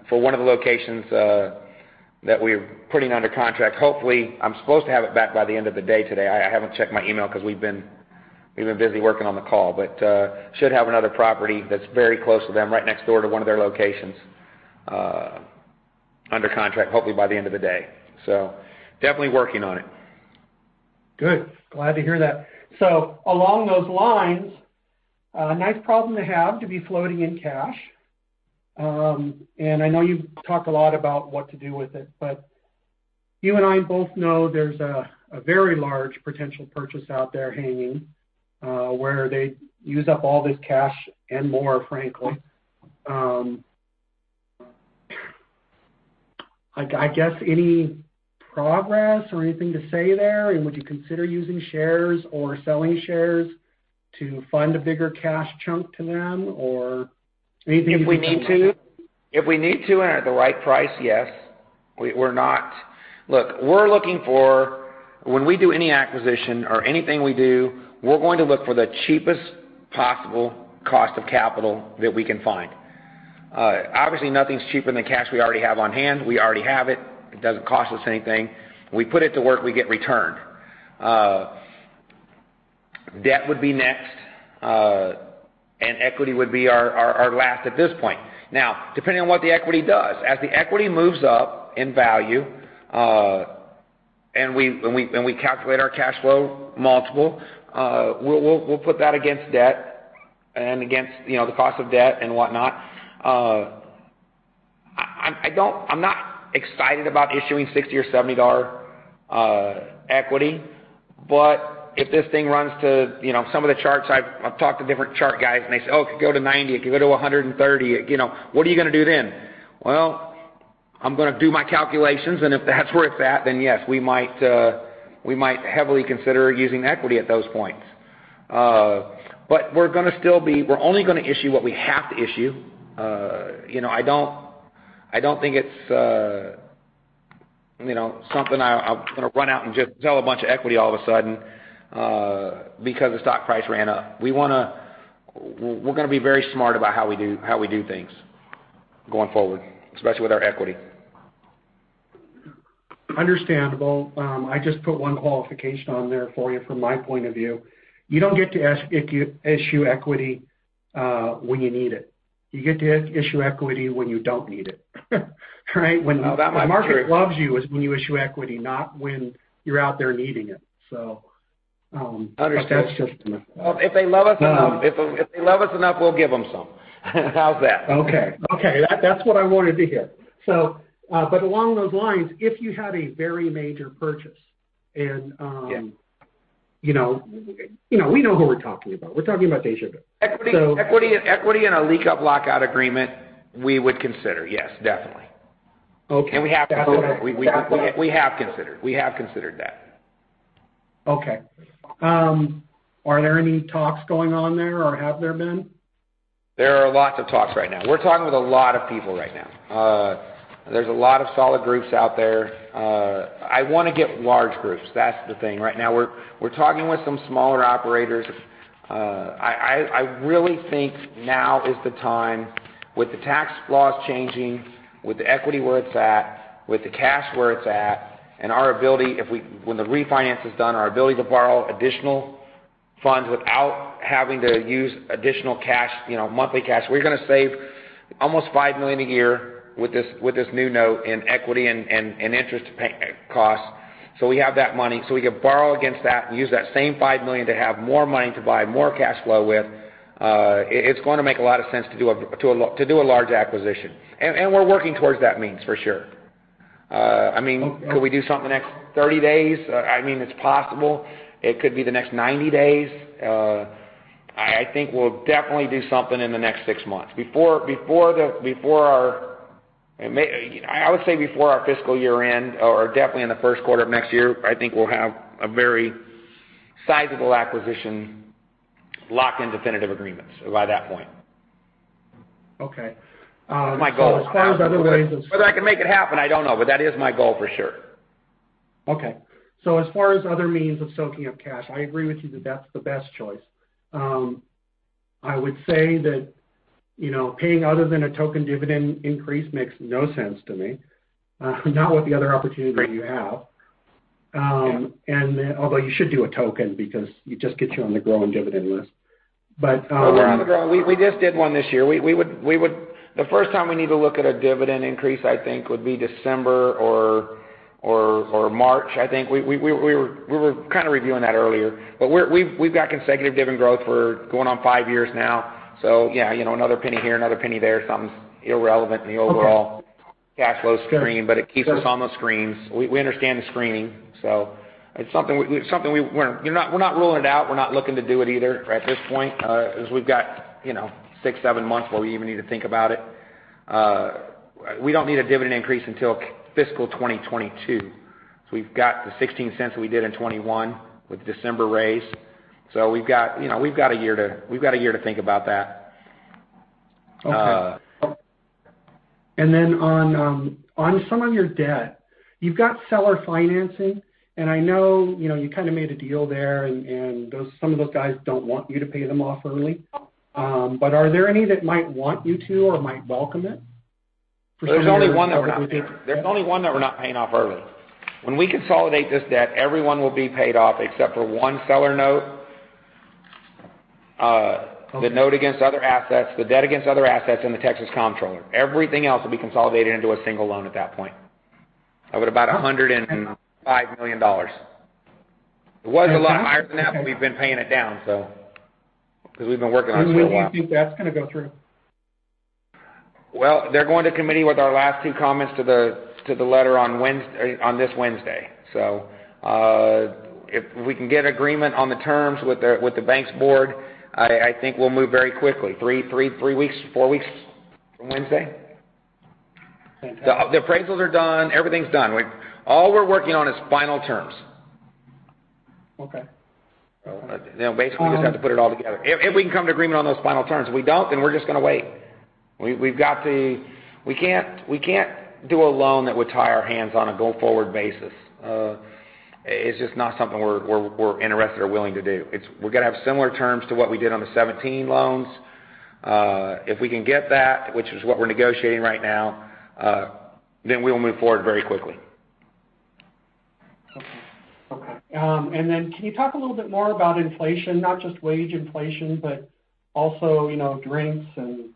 for one of the locations that we're putting under contract. Hopefully, I'm supposed to have it back by the end of the day today. I haven't checked my email because we've been busy working on the call, but should have another property that's very close to them, right next door to one of their locations under contract, hopefully by the end of the day. Definitely working on it. Good. Glad to hear that. Along those lines, a nice problem to have to be floating in cash. I know you talk a lot about what to do with it, but you and I both know there's a very large potential purchase out there hanging, where they use up all this cash and more, frankly. I guess any progress or anything to say there, and would you consider using shares or selling shares to fund a bigger cash chunk to them or anything you can share? If we need to and at the right price, yes. Look, when we do any acquisition or anything we do, we're going to look for the cheapest possible cost of capital that we can find. Obviously, nothing's cheaper than cash we already have on hand. We already have it. It doesn't cost us anything. We put it to work; we get return. Debt would be next, and equity would be our last at this point. Now, depending on what the equity does, as the equity moves up in value, and we calculate our cash flow multiple, we'll put that against debt and against the cost of debt and whatnot. I'm not excited about issuing $60 or $70 equity. If this thing runs to some of the charts, I've talked to different chart guys, and they say, "Oh, it could go to $90. It could go to $130." What are you going to do then? Well, I'm going to do my calculations, and if that's where it's at, then yes, we might heavily consider using equity at those points. We're only going to issue what we have to issue. I don't think it's something I'm going to run out and just sell a bunch of equity all of a sudden because the stock price ran up. We're going to be very smart about how we do things going forward, especially with our equity. Understandable. I just put one qualification on there for you from my point of view. You don't get to issue equity when you need it. You get to issue equity when you don't need it. Right? Oh, that much. Sure. When the market loves you is when you issue equity, not when you're out there needing it. Understood That's. If they love us enough, we'll give them some. How's that? Okay. That's what I wanted to hear. Along those lines, if you had a very major purchase. Yeah We know who we're talking about. We're talking about Asia. Equity and a leak-up lockout agreement, we would consider. Yes, definitely. Okay. We have considered. We have considered that. Okay. Are there any talks going on there, or have there been? There are many discussions happening right now. We're talking with a lot of people. There are many solid groups out there. I want to acquire large groups; that's the current focus. We're speaking with some smaller operators. I truly believe now is the time, with the changing tax laws, the current state of equity, the available cash, and once the refinance is complete, our ability to borrow additional funds without needing to use extra monthly cash. We're going to save almost $5 million a year with this new note in equity and interest costs. We have that money. We could borrow against it and use that same $5 million to have more capital to acquire more cash flow. It's going to make a lot of sense to pursue a large acquisition. We are definitely working towards that. Could we do something in the next 30 days? It's possible. It could be in the next 90 days. I think we'll definitely do something in the next six months. I would say before our fiscal year-end or definitely in the first quarter of next year, I think we'll have a very sizable acquisition locked in definitive agreements by that point. Okay. My goal. As far as other. Whether I can make it happen, I don't know, but that is my goal for sure. Okay. As far as other means of soaking up cash, I agree with you that that's the best choice. I would say that paying other than a token dividend increase makes no sense to me, not with the other opportunities that you have. Yeah. Although you should do a token because it just gets you on the growing dividend list. We just did one this year. The first time we need to look at a dividend increase, I think, would be December or March. We were kind of reviewing that earlier. We've got consecutive dividend growth. We're going on five years now. Yeah, another penny here, another penny there, something irrelevant in the overall cash flow screen, but it keeps us on those screens. We understand the screening, it's something we're not ruling out. We're not looking to do it either at this point, as we've got six, seven months where we even need to think about it. We don't need a dividend increase until fiscal 2022. We've got the $0.16 that we did in 2021 with the December raise. We've got a year to think about that. Okay. On some of your debt, you've got seller financing, and I know you kind of made a deal there, and some of those guys don't want you to pay them off early. Are there any that might want you to or might welcome it? There's only one that we're not paying off early. When we consolidate this debt, everyone will be paid off except for one seller note. Okay. The note against other assets, the debt against other assets, and the Texas Comptroller. Everything else will be consolidated into a single loan at that point of about $105 million. It was a lot higher than that, but we've been paying it down, because we've been working on it for a while. When do you think that's going to go through? Well, they're going to committee with our last two comments to the letter on this Wednesday. If we can get agreement on the terms with the banks board, I think we'll move very quickly. Three weeks, four weeks from Wednesday. Fantastic. The appraisals are done. Everything's done. All we're working on is final terms. Okay. Basically, we just have to put it all together if we can come to an agreement on those final terms. If we don't, then we're just going to wait. We can't do a loan that would tie our hands on a go-forward basis. It's just not something we're interested in or willing to do. We're going to have similar terms to what we did on the 2017 loans. If we can get that, which is what we're negotiating right now, then we'll move forward very quickly. Okay. Then can you talk a little bit more about inflation, not just wage inflation, but also drinks and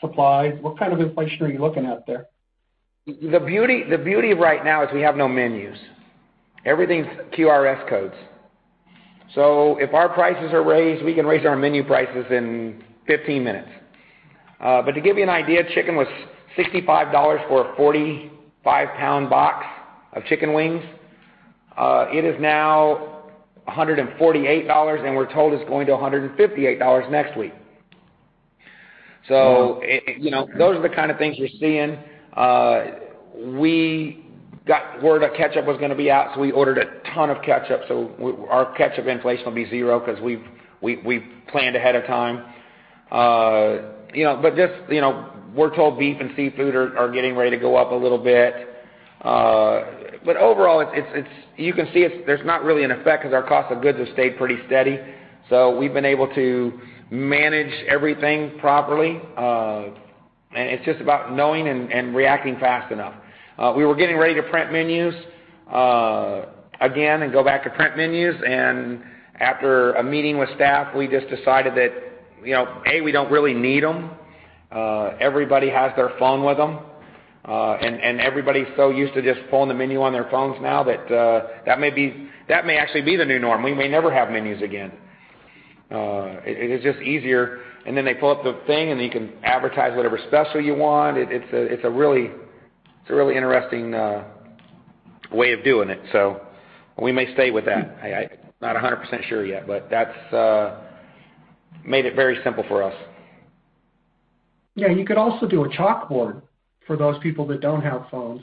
supplies. What kind of inflation are you looking at there? The beauty right now is we have no menus. Everything's QR codes. If our prices are raised, we can raise our menu prices in 15 minutes. To give you an idea, chicken was $65 for a 45-pound box of chicken wings. It is now $148, and we're told it's going to $158 next week. Wow Those are the kinds of things you're seeing. We got word our ketchup was going to be out, so we ordered a ton of ketchup. Our ketchup inflation will be zero because we planned ahead of time. We're told beef and seafood are getting ready to go up a little bit. Overall, you can see there's not really an effect because our cost of goods has stayed pretty steady. We've been able to manage everything properly. It's just about knowing and reacting fast enough. We were getting ready to print menus again and go back to print menus, and after a meeting with staff, we just decided that, A, we don't really need them. Everybody has their phone with them, and everybody's so used to just pulling up the menu on their phones now that that may actually be the new norm. We may never have menus again. It's just easier, and then they pull up the thing, and you can advertise whatever special you want. It's a really interesting way of doing it. We may stay with that. I'm not 100% sure yet, but that's made it very simple for us. Yeah, you could also do a chalkboard for those people that don't have phones.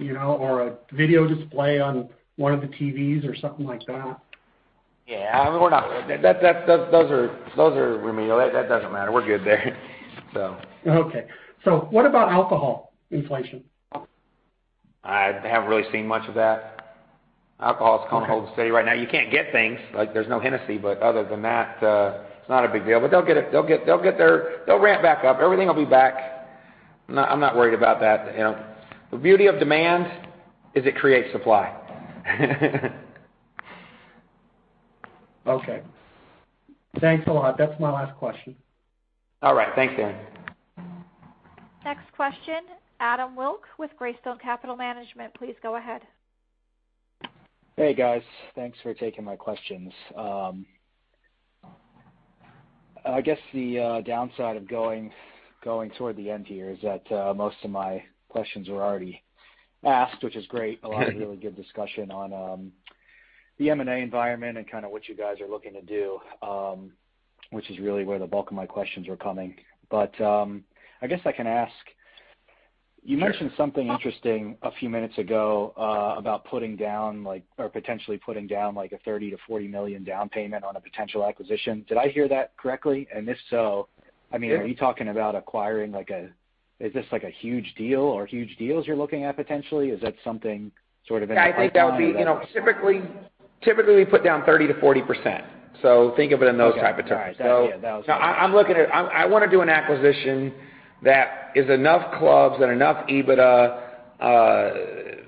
Or a video display on one of the TVs or something like that. Yeah. Those are remedial. That doesn't matter. We're good there. Okay. What about alcohol inflation? I haven't really seen much of that. Okay hold steady right now. You can't get things, like there's no Hennessy, but other than that, it's not a big deal. They'll ramp back up. Everything will be back. I'm not worried about that. The beauty of demand is it creates supply. Okay. Thanks a lot. That's my last question. All right. Thanks, Darren. Next question, Adam Wilk with Greystone Capital Management, please go ahead. Hey, guys. Thanks for taking my questions. I guess the downside of going toward the end here is that most of my questions were already asked, which is great. A lot of really good discussion on the M&A environment and kind of what you guys are looking to do, which is really where the bulk of my questions were coming from. I guess I can ask, you mentioned something interesting a few minutes ago, about potentially putting down like a $30 million-$40 million down payment on a potential acquisition. Did I hear that correctly? Sure Are you talking about acquiring? Is this like a huge deal or huge deals you're looking at potentially? Is that something sort of in the pipeline? Yeah, I think that would be Typically, we put down 30%-40%, so think of it in those type of terms. Okay. All right. No, I want to do an acquisition that is enough clubs and enough EBITDA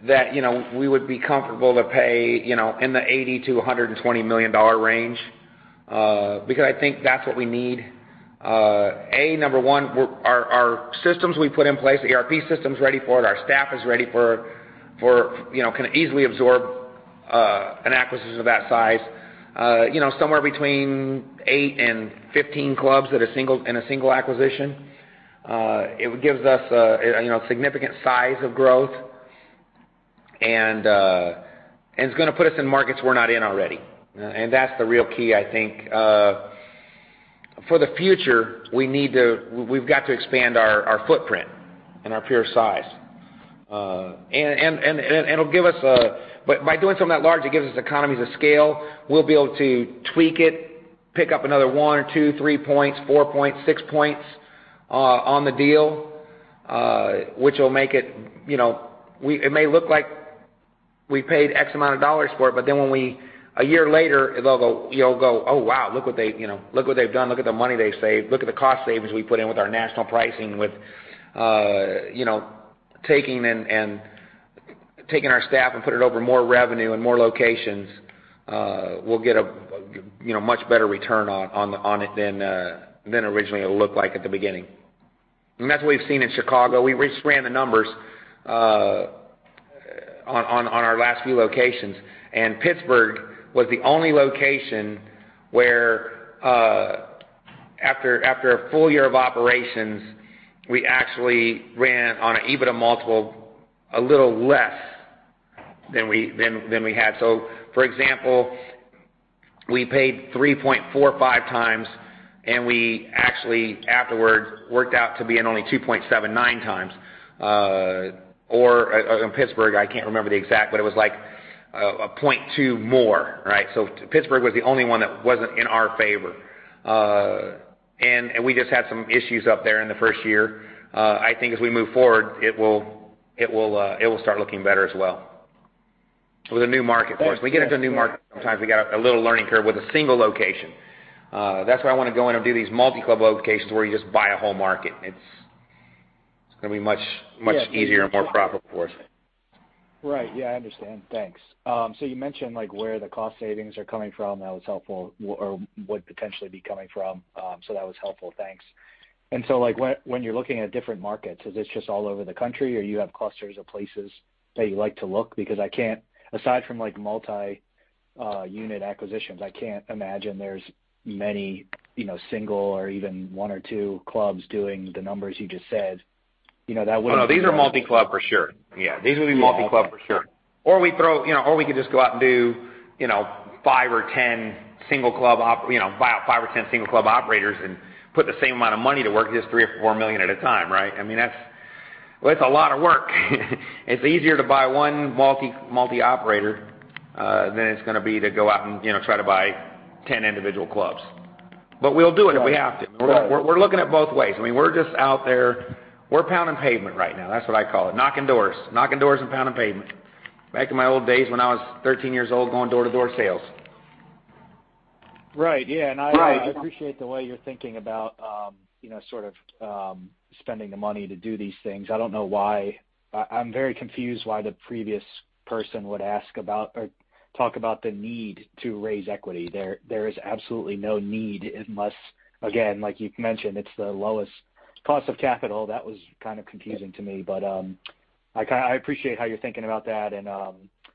that we would be comfortable to pay in the $80 million-$120 million range, because I think that's what we need. A, number one, our systems we put in place, the ERP system's ready for it, our staff is ready for it, can easily absorb an acquisition of that size. Somewhere between eight and 15 clubs in a single acquisition. It gives us a significant size of growth, and it's going to put us in markets we're not in already. That's the real key, I think. For the future, we've got to expand our footprint and our pure size. By doing something that large, it gives us economies of scale. We'll be able to tweak it, pick up another one or two, three points, four points, six points on the deal. It may look like we paid X amount of dollars for it, but then a year later, you'll go, "Oh, wow, look what they've done. Look at the money they saved. Look at the cost savings we put in with our national pricing, with taking our staff and putting it toward more revenue and more locations." We'll get a much better return on it than it originally looked like at the beginning. That's what we've seen in Chicago. We just ran the numbers on our last few locations. Pittsburgh was the only location where, after a full year of operations, we actually ran on an EBITDA multiple a little less than we had. For example, we paid 3.45 times, and we actually afterwards worked out to be in only 2.79 times, or in Pittsburgh, I cannot remember the exact, but it was like a 0.2 more, right? Pittsburgh was the only one that was not in our favor. We just had some issues up there in the first year. I think as we move forward, it will start looking better as well. With a new market, of course. We get into a new market, sometimes we got a little learning curve with a single location. That is why I want to go in and do these multi-club locations where you just buy a whole market, and it is going to be much easier. Yeah More profitable for us. Right. Yeah, I understand. Thanks. You mentioned where the cost savings are coming from, that was helpful, or would potentially be coming from, so that was helpful. Thanks. When you're looking at different markets, is this just all over the country, or you have clusters of places that you like to look? Because aside from multi-unit acquisitions, I can't imagine there's many single or even one or two clubs doing the numbers you just said. Oh, no, these are multi-club for sure. Yeah. These would be multi-club for sure. We could just go out and do five or 10 single club operators and put the same amount of money to work just $3 million or $4 million at a time, right? That's a lot of work. It's easier to buy one multi-operator than it's going to be to go out and try to buy 10 individual clubs. We'll do it if we have to. Right. We're looking at both ways. We're just out there. We're pounding pavement right now. That's what I call it, knocking doors. Knocking doors and pounding pavement. Back in my old days when I was 13 years old, going door to door sales. Right. I appreciate the way you're thinking about spending the money to do these things. I'm very confused why the previous person would talk about the need to raise equity. There is absolutely no need unless, again, like you've mentioned, it's the lowest cost of capital. That was kind of confusing to me. I appreciate how you're thinking about that.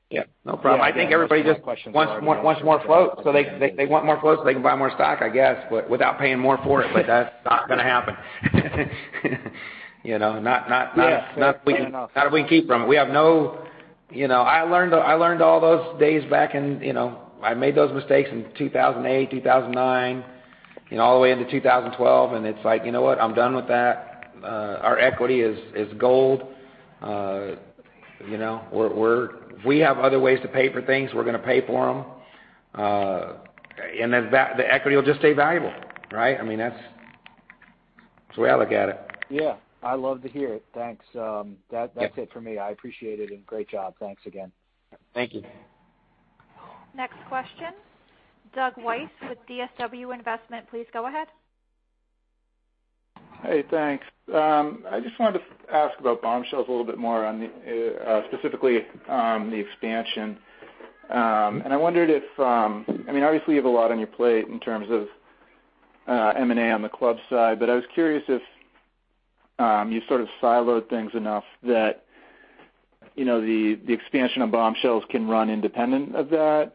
Yeah, no problem. I think everybody just wants more float. They want more float so they can buy more stock, I guess, but without paying more for it. That's not going to happen, not if we can keep from it. I learned all those days back when I made those mistakes in 2008, 2009, all the way into 2012, and it's like, you know what? I'm done with that. Our equity is gold. If we have other ways to pay for things, we're going to pay for them. The equity will just stay valuable, right? That's the way I look at it. Yeah. I love to hear it. Thanks. Yeah. That's it for me. I appreciate it, and great job. Thanks again. Thank you. Next question, Doug Weiss with DSW Investment. Please go ahead. Hey, thanks. I just wanted to ask about Bombshells a little bit more, specifically on the expansion. I mean, obviously, you have a lot on your plate in terms of M&A on the club side. I was curious if you sort of siloed things enough that the expansion of Bombshells can run independent of that.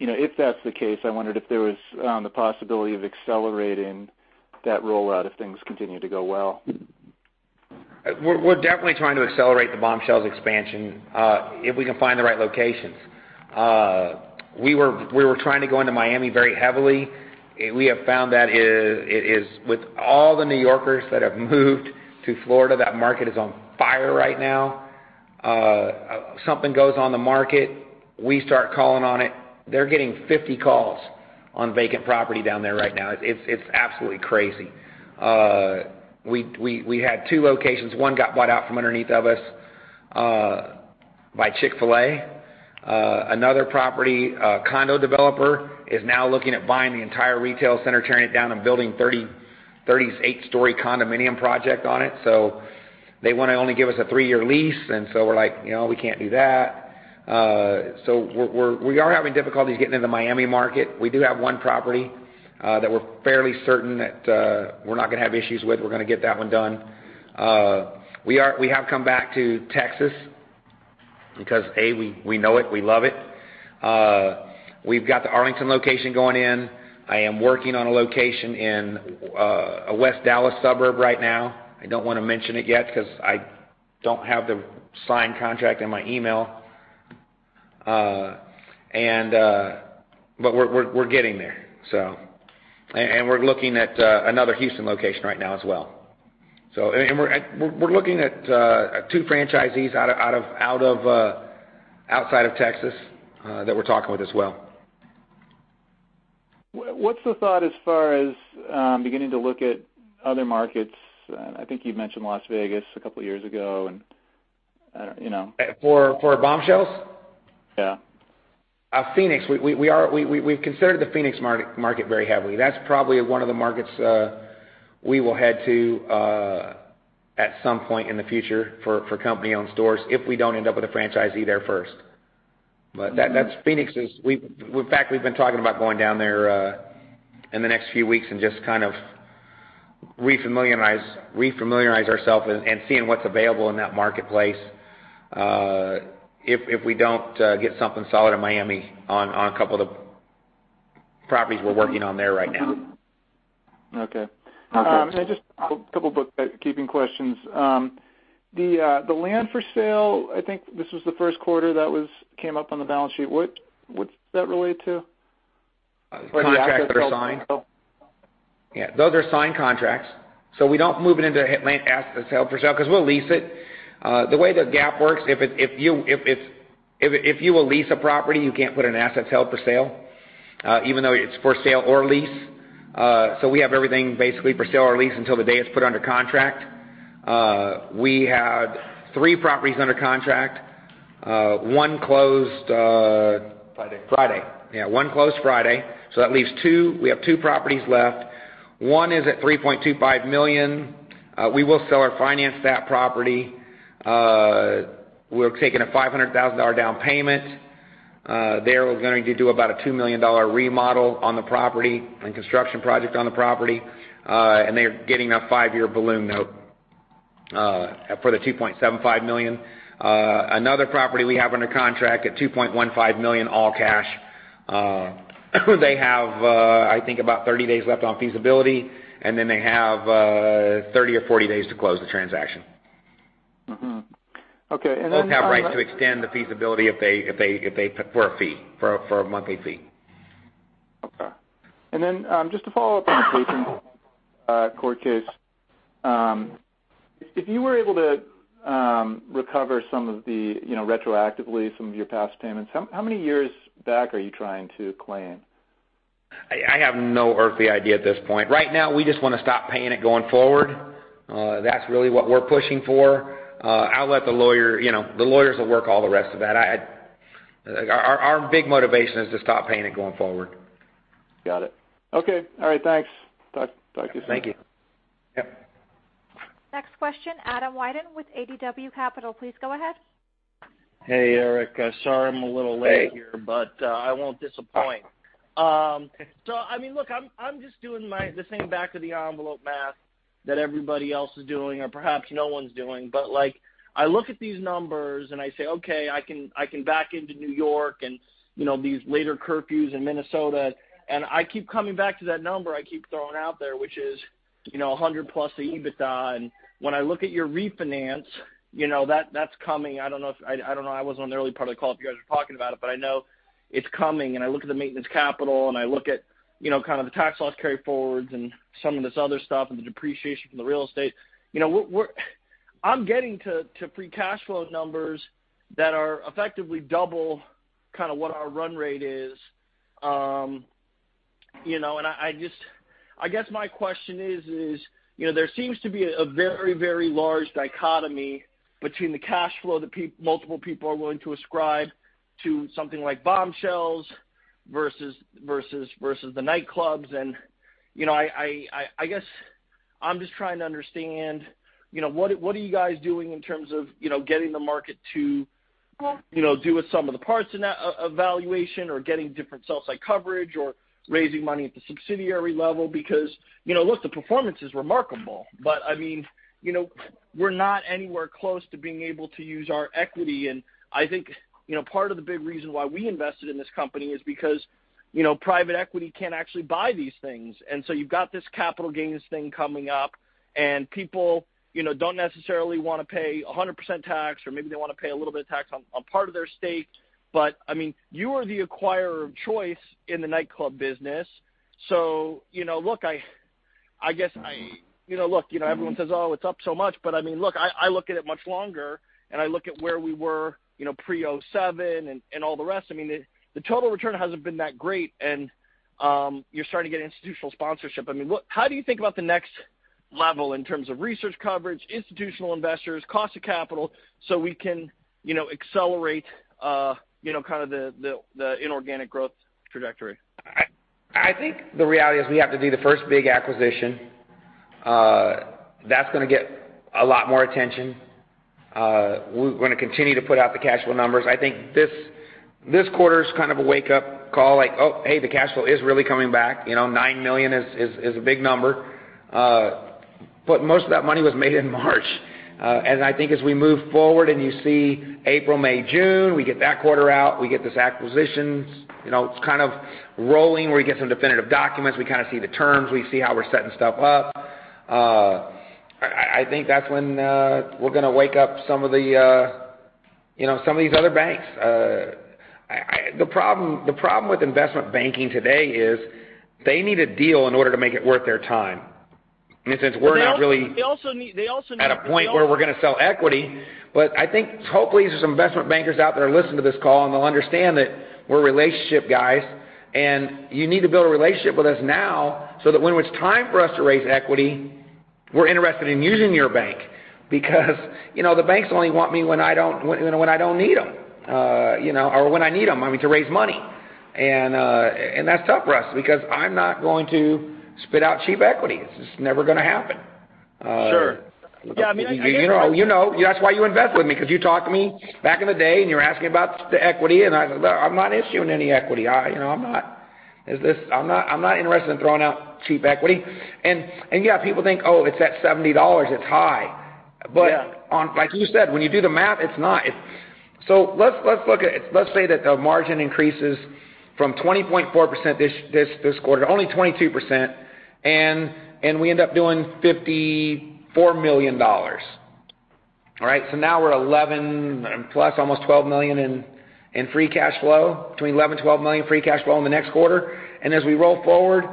If that's the case, I wondered if there was the possibility of accelerating that rollout if things continue to go well. We're definitely trying to accelerate the Bombshells expansion if we can find the right locations. We were trying to go into Miami very heavily. We have found that with all the New Yorkers who have moved to Florida, that market is on fire right now. Something goes on the market, we start calling on it, they're getting 50 calls on vacant property down there right now. It's absolutely crazy. We had two locations. One got bought out from underneath us by Chick-fil-A. Another property condo developer is now looking at buying the entire retail center, tearing it down, and building a 38-story condominium project on it. They only want to give us a 3-year lease, and so we're like, "We can't do that." We are having difficulties getting into the Miami market. We do have one property that we're fairly certain that we're not going to have issues with. We're going to get that one done. We have come back to Texas because, A, we know it, we love it. We've got the Arlington location going in. I am working on a location in a West Dallas suburb right now. I don't want to mention it yet because I don't have the signed contract in my email. We're getting there. We're looking at another Houston location right now as well. We're looking at two franchisees outside of Texas that we're talking with as well. What's the thought as far as beginning to look at other markets? I think you've mentioned Las Vegas a couple of years ago. For Bombshells? Yeah. Phoenix, we've considered the Phoenix market very heavily. That's probably one of the markets we will head to at some point in the future for company-owned stores if we don't end up with a franchisee there first. We've been talking about going down there in the next few weeks and just kind of refamiliarizing ourselves and seeing what's available in that marketplace, if we don't get something solid in Miami on a couple of the properties we're working on there right now. Okay. Okay. Just a couple of bookkeeping questions. The land for sale, I think this was the first quarter that came up on the balance sheet. What's that related to? Contracts that are signed. For the assets held for sale. Yeah. Those are signed contracts. We don't move it into assets held for sale because we'll lease it. The way that GAAP works, if you lease a property, you can't put it as an asset held for sale, even though it's for sale or lease. We have everything basically for sale or lease until the day it's put under contract. We had three properties under contract. One closed— Friday Friday. Yeah, one closed Friday. That leaves two. We have two properties left. One is at $3.25 million. We will seller finance that property. We're taking a $500,000 down payment. They're going to do about a $2 million remodel on the property and construction project on the property. They're getting a five-year balloon note for the $2.75 million. Another property we have under contract at $2.15 million, all cash. They have, I think, about 30 days left on feasibility, they have 30 or 40 days to close the transaction. Mm-hmm. Okay. They have rights to extend the feasibility for a monthly fee. Just to follow up on the patron tax court case, if you were able to recover retroactively some of your past payments, how many years back are you trying to claim? I have no earthly idea at this point. Right now, we just want to stop paying it going forward. That's really what we're pushing for. The lawyers will work all the rest of that. Our big motivation is to stop paying it going forward. Got it. Okay. All right. Thanks. Talk to you soon. Thank you. Yep. Next question, Adam Wyden with ADW Capital. Please go ahead. Hey, Eric. Sorry I'm a little late here. Hey I won't disappoint. Look, I'm just doing the same back-of-the-envelope math that everybody else is doing, or perhaps no one's doing. I look at these numbers and I say, "Okay, I can back into New York and these later curfews in Minnesota." I keep coming back to that number I keep throwing out there, which is $100 plus the EBITDA. When I look at your refinance, that's coming. I don't know, I wasn't on the early part of the call if you guys were talking about it, but I know it's coming, and I look at the maintenance capital, and I look at kind of the tax loss carryforwards and some of this other stuff, and the depreciation from the real estate. I'm getting to free cash flow numbers that are effectively double kind of what our run rate is. I guess my question is, there seems to be a very large dichotomy between the cash flow that multiple people are willing to ascribe to something like Bombshells versus the Nightclubs. I guess I'm just trying to understand, what are you guys doing in terms of getting the market to do with some of the parts in that evaluation or getting different sell-side coverage or raising money at the subsidiary level? Look, the performance is remarkable, but we're not anywhere close to being able to use our equity. I think part of the big reason why we invested in this company is because private equity can't actually buy these things. You've got this capital gains thing coming up and people don't necessarily want to pay 100% tax, or maybe they want to pay a little bit of tax on part of their stake. You are the acquirer of choice in the Nightclubs business. Look, everyone says, "Oh, it's up so much," but I look at it much longer, and I look at where we were pre 2007 and all the rest. The total return hasn't been that great, and you're starting to get institutional sponsorship. How do you think about the next level in terms of research coverage, institutional investors, cost of capital, so we can accelerate kind of the inorganic growth trajectory? I think the reality is we have to do the first big acquisition. That's going to get a lot more attention. We're going to continue to put out the cash flow numbers. I think this quarter is kind of a wake-up call, like, "Oh, hey, the cash flow is really coming back." $9 million is a big number. Most of that money was made in March. I think as we move forward and you see April, May, June, we get that quarter out, we get this acquisition, it's kind of rolling where we get some definitive documents, we kind of see the terms, we see how we're setting stuff up. I think that's when we're going to wake up some of these other banks. The problem with investment banking today is they need a deal in order to make it worth their time. And since we're not really- They also need. at a point where we're going to sell equity. I think hopefully there's some investment bankers out there listening to this call, and they'll understand that we're relationship guys, and you need to build a relationship with us now so that when it's time for us to raise equity, we're interested in using your bank. The banks only want me when I don't need them, or when I need them, to raise money. That's tough for us because I'm not going to spit out cheap equity. It's just never going to happen. Sure. Yeah. I mean. You know. That's why you invest with me, because you talked to me back in the day, and you were asking about the equity, and I said, "Look, I'm not issuing any equity." I'm not interested in throwing out cheap equity. Yeah, people think, oh, it's at $70, it's high. Yeah. As you said, when you do the math, it's not. Let's say that the margin increases from 20.4% this quarter to only 22%, and we end up doing $54 million. All right? Now we're at $11 million, plus almost $12 million in free cash flow, between $11 million and $12 million free cash flow in the next quarter. As we roll forward,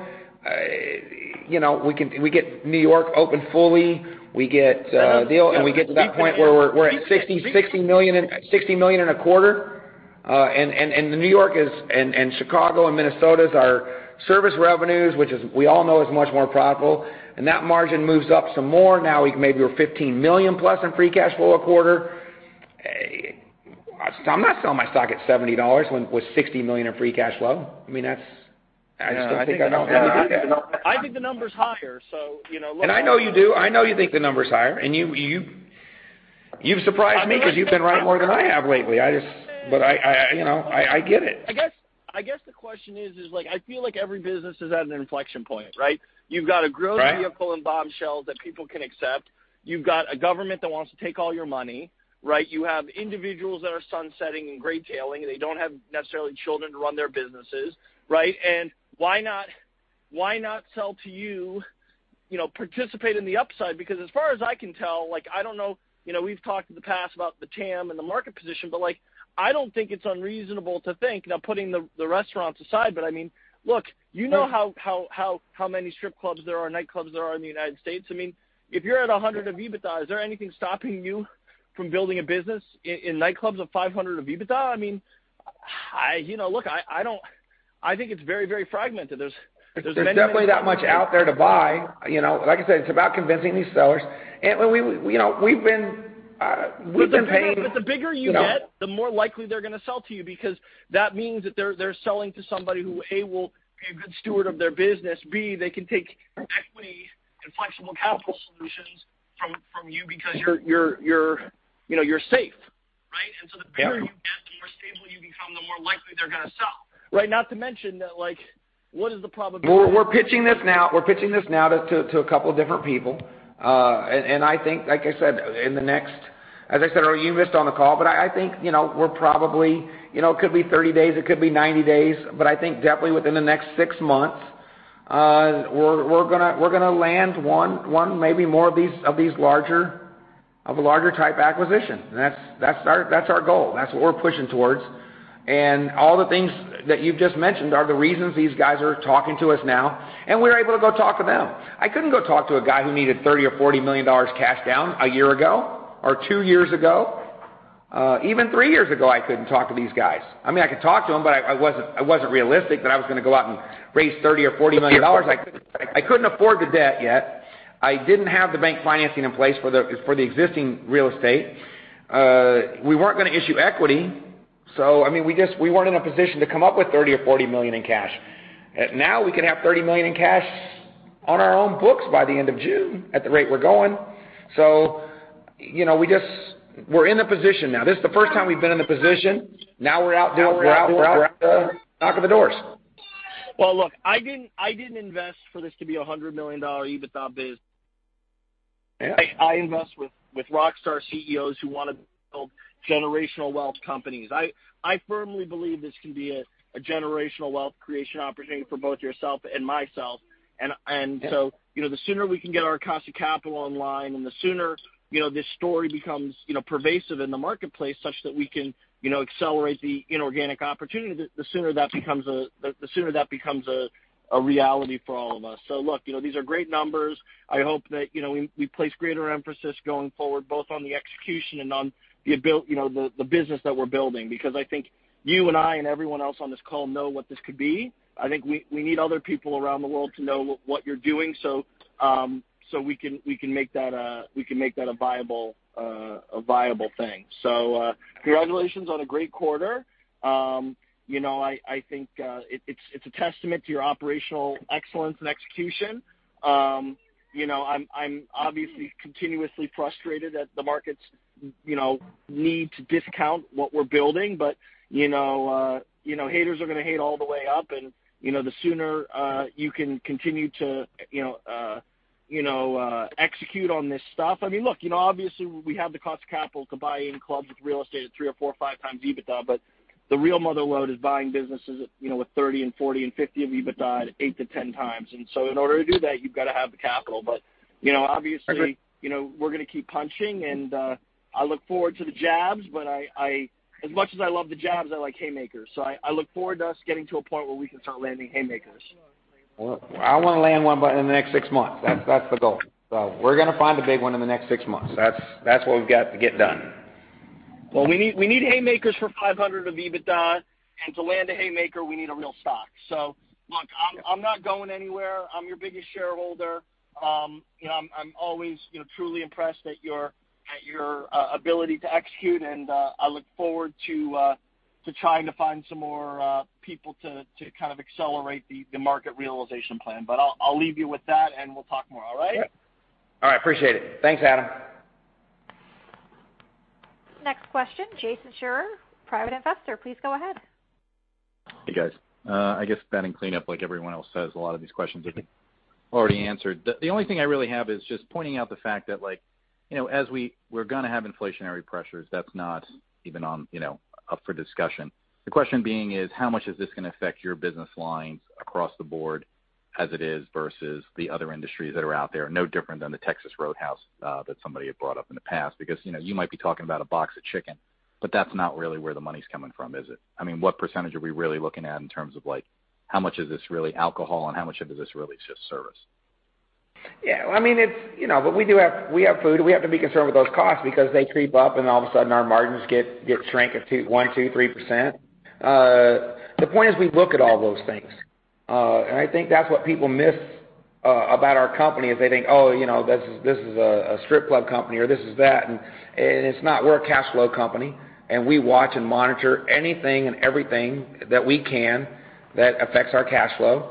we get New York open fully, we get a deal, and we get to that point where we're at $60 million in a quarter. New York, Chicago, and Minnesota are our service revenues, which as we all know, is much more profitable, and that margin moves up some more. Maybe we're $15 million plus in free cash flow a quarter. I'm not selling my stock at $70 with $60 million in free cash flow. I just don't think I am. I think the number's higher. I know you do. I know you think the number's higher, and you've surprised me because you've been right more than I have lately. I get it. I guess the question is, I feel like every business is at an inflection point, right? Right. You've got a growth vehicle in Bombshells that people can accept. You've got a government that wants to take all your money, right? You have individuals that are sunsetting and gray trailing; they don't necessarily have children to run their businesses, right? Why not sell to you, participate in the upside? Because as far as I can tell, I don't know—we've talked in the past about the TAM and the market position—but I don't think it's unreasonable to think, now putting the restaurants aside, but look, you know how many strip clubs and nightclubs there are in the U.S. If you're at $100 of EBITDA, is there anything stopping you from building a business in nightclubs of $500 of EBITDA? I mean, look, I think it's very fragmented. There's definitely that much out there to buy. Like I said, it's about convincing these sellers. And we've been paying- The bigger you get, the more likely they're going to sell to you, because that means that they're selling to somebody who, A, will be a good steward of their business, B, they can take equity and flexible capital solutions from you because you're safe. Right. Yeah. The bigger you get, the more stable you become, the more likely they're going to sell. Not to mention that, what is the probability. We're pitching this now to a couple of different people. I think, like I said, it could be 30 days, it could be 90 days, but I think definitely within the next six months, we're going to land one, maybe more, of these larger-type acquisitions. That's our goal. That's what we're pushing towards. All the things that you've just mentioned are the reasons these guys are talking to us now, and we're able to go talk to them. I couldn't go talk to a guy who needed $30 or $40 million cash down a year ago, or two years ago. Even three years ago, I couldn't talk to these guys. I could talk to them, but it wasn't realistic that I was going to go out and raise $30 million or $40 million. I couldn't afford the debt yet. I didn't have the bank financing in place for the existing real estate. We weren't going to issue equity. We just weren't in a position to come up with $30 million or $40 million in cash. Now we can have $30 million in cash on our own books by the end of June at the rate we're going. We're in the position now. This is the first time we've been in the position. Now we're out there. Now we're out knocking the doors. Well, look, I didn't invest for this to be a $100 million EBITDA biz. Yeah. I invest with rockstar CEOs who want to build generational wealth companies. I firmly believe this can be a generational wealth creation opportunity for both yourself and myself. Yeah. The sooner we can get our cost of capital online, and the sooner this story becomes pervasive in the marketplace such that we can accelerate the inorganic opportunities, the sooner that becomes a reality for all of us. Look, these are great numbers. I hope that we place greater emphasis going forward, both on the execution and on the business that we're building. I think you and I and everyone else on this call know what this could be. I think we need other people around the world to know what you're doing so we can make that a viable thing. Congratulations on a great quarter. I think it's a testament to your operational excellence and execution. I'm obviously continuously frustrated at the market's need to discount what we're building. Haters are going to hate all the way up. The sooner you can continue to execute on this stuff. Look, obviously we have the cost of capital to buy any clubs with real estate at 3x, 4x, or 5x EBITDA. The real mother lode is buying businesses with 30 and 40 and 50 of EBITDA at 8x-10x. In order to do that, you've got to have the capital. Obviously. Agreed we're going to keep punching. I look forward to the jabs. As much as I love the jabs, I like haymakers. I look forward to us getting to a point where we can start landing haymakers. Well, I want to land one in the next six months. That's the goal. We're going to find a big one in the next six months. That's what we've got to get done. Well, we need haymakers for $500 of EBITDA. To land a haymaker, we need a real stock. Look, I'm not going anywhere. I'm your biggest shareholder. I'm always truly impressed at your ability to execute, and I look forward to trying to find some more people to kind of accelerate the market realization plan. I'll leave you with that, and we'll talk more, all right? Yeah. All right. Appreciate it. Thanks, Adam. Next question, Jason Scherer, private investor. Please go ahead. Hey, guys. I guess Ben in cleanup, like everyone else says, a lot of these questions have been already answered. The only thing I really have is just pointing out the fact that as we're going to have inflationary pressures, that's not even up for discussion. The question being is, how much is this going to affect your business lines across the board as it is, versus the other industries that are out there? No different than the Texas Roadhouse that somebody had brought up in the past. You might be talking about a box of chicken, but that's not really where the money's coming from, is it? What percentage are we really looking at in terms of how much of this really alcohol, and how much of this really is just service? We do have food, and we have to be concerned with those costs because they creep up, and all of a sudden, our margins get shrank of one, two, three%. The point is, we look at all those things. I think that's what people miss about our company, is they think, "Oh, this is a strip club company," or this is that, and it's not. We're a cash flow company, and we watch and monitor anything and everything that we can that affects our cash flow,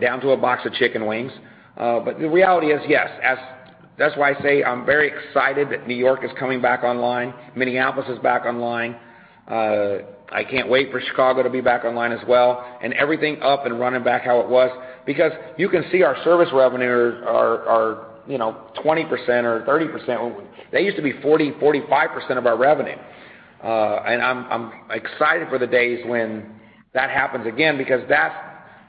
down to a box of chicken wings. The reality is, yes. That's why I say I'm very excited that New York is coming back online. Minneapolis is back online. I can't wait for Chicago to be back online as well, and everything up and running back how it was. You can see our service revenue are 20% or 30%. They used to be 40%, 45% of our revenue. I'm excited for the days when that happens again, because that's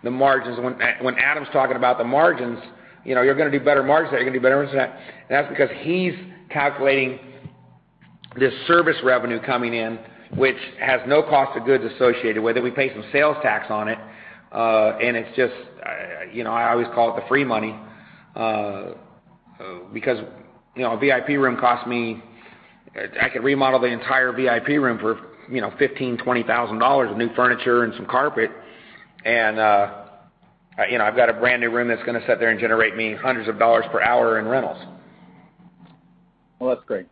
the margins. When Adam's talking about the margins, you're going to do better margins, you're going to do better this and that, and that's because he's calculating this service revenue coming in, which has no cost of goods associated with it. We pay some sales tax on it, and it's just, I always call it the free money. A VIP room costs me I could remodel the entire VIP room for $15,000, $20,000 of new furniture and some carpet, and I've got a brand-new room that's going to sit there and generate me hundreds of dollars per hour in rentals. Well, that's great.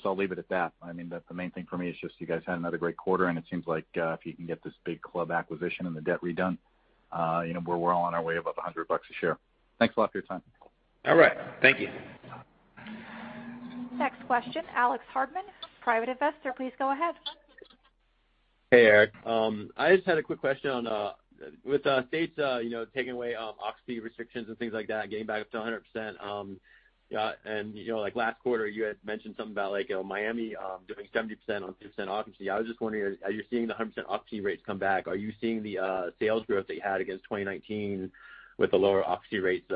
I guess I'll leave it at that. The main thing for me is just you guys had another great quarter, and it seems like if you can get this big club acquisition and the debt redone, we're well on our way of up $100 a share. Thanks a lot for your time. All right. Thank you. Next question, Alex Hardman, private investor. Please go ahead. Hey, Eric. I just had a quick question on, with states taking away occupancy restrictions and things like that, getting back up to 100%, and last quarter, you had mentioned something about Miami doing 70% occupancy. I was just wondering, are you seeing the 100% occupancy rates come back? Are you seeing the sales growth that you had against 2019 with the lower occupancy rates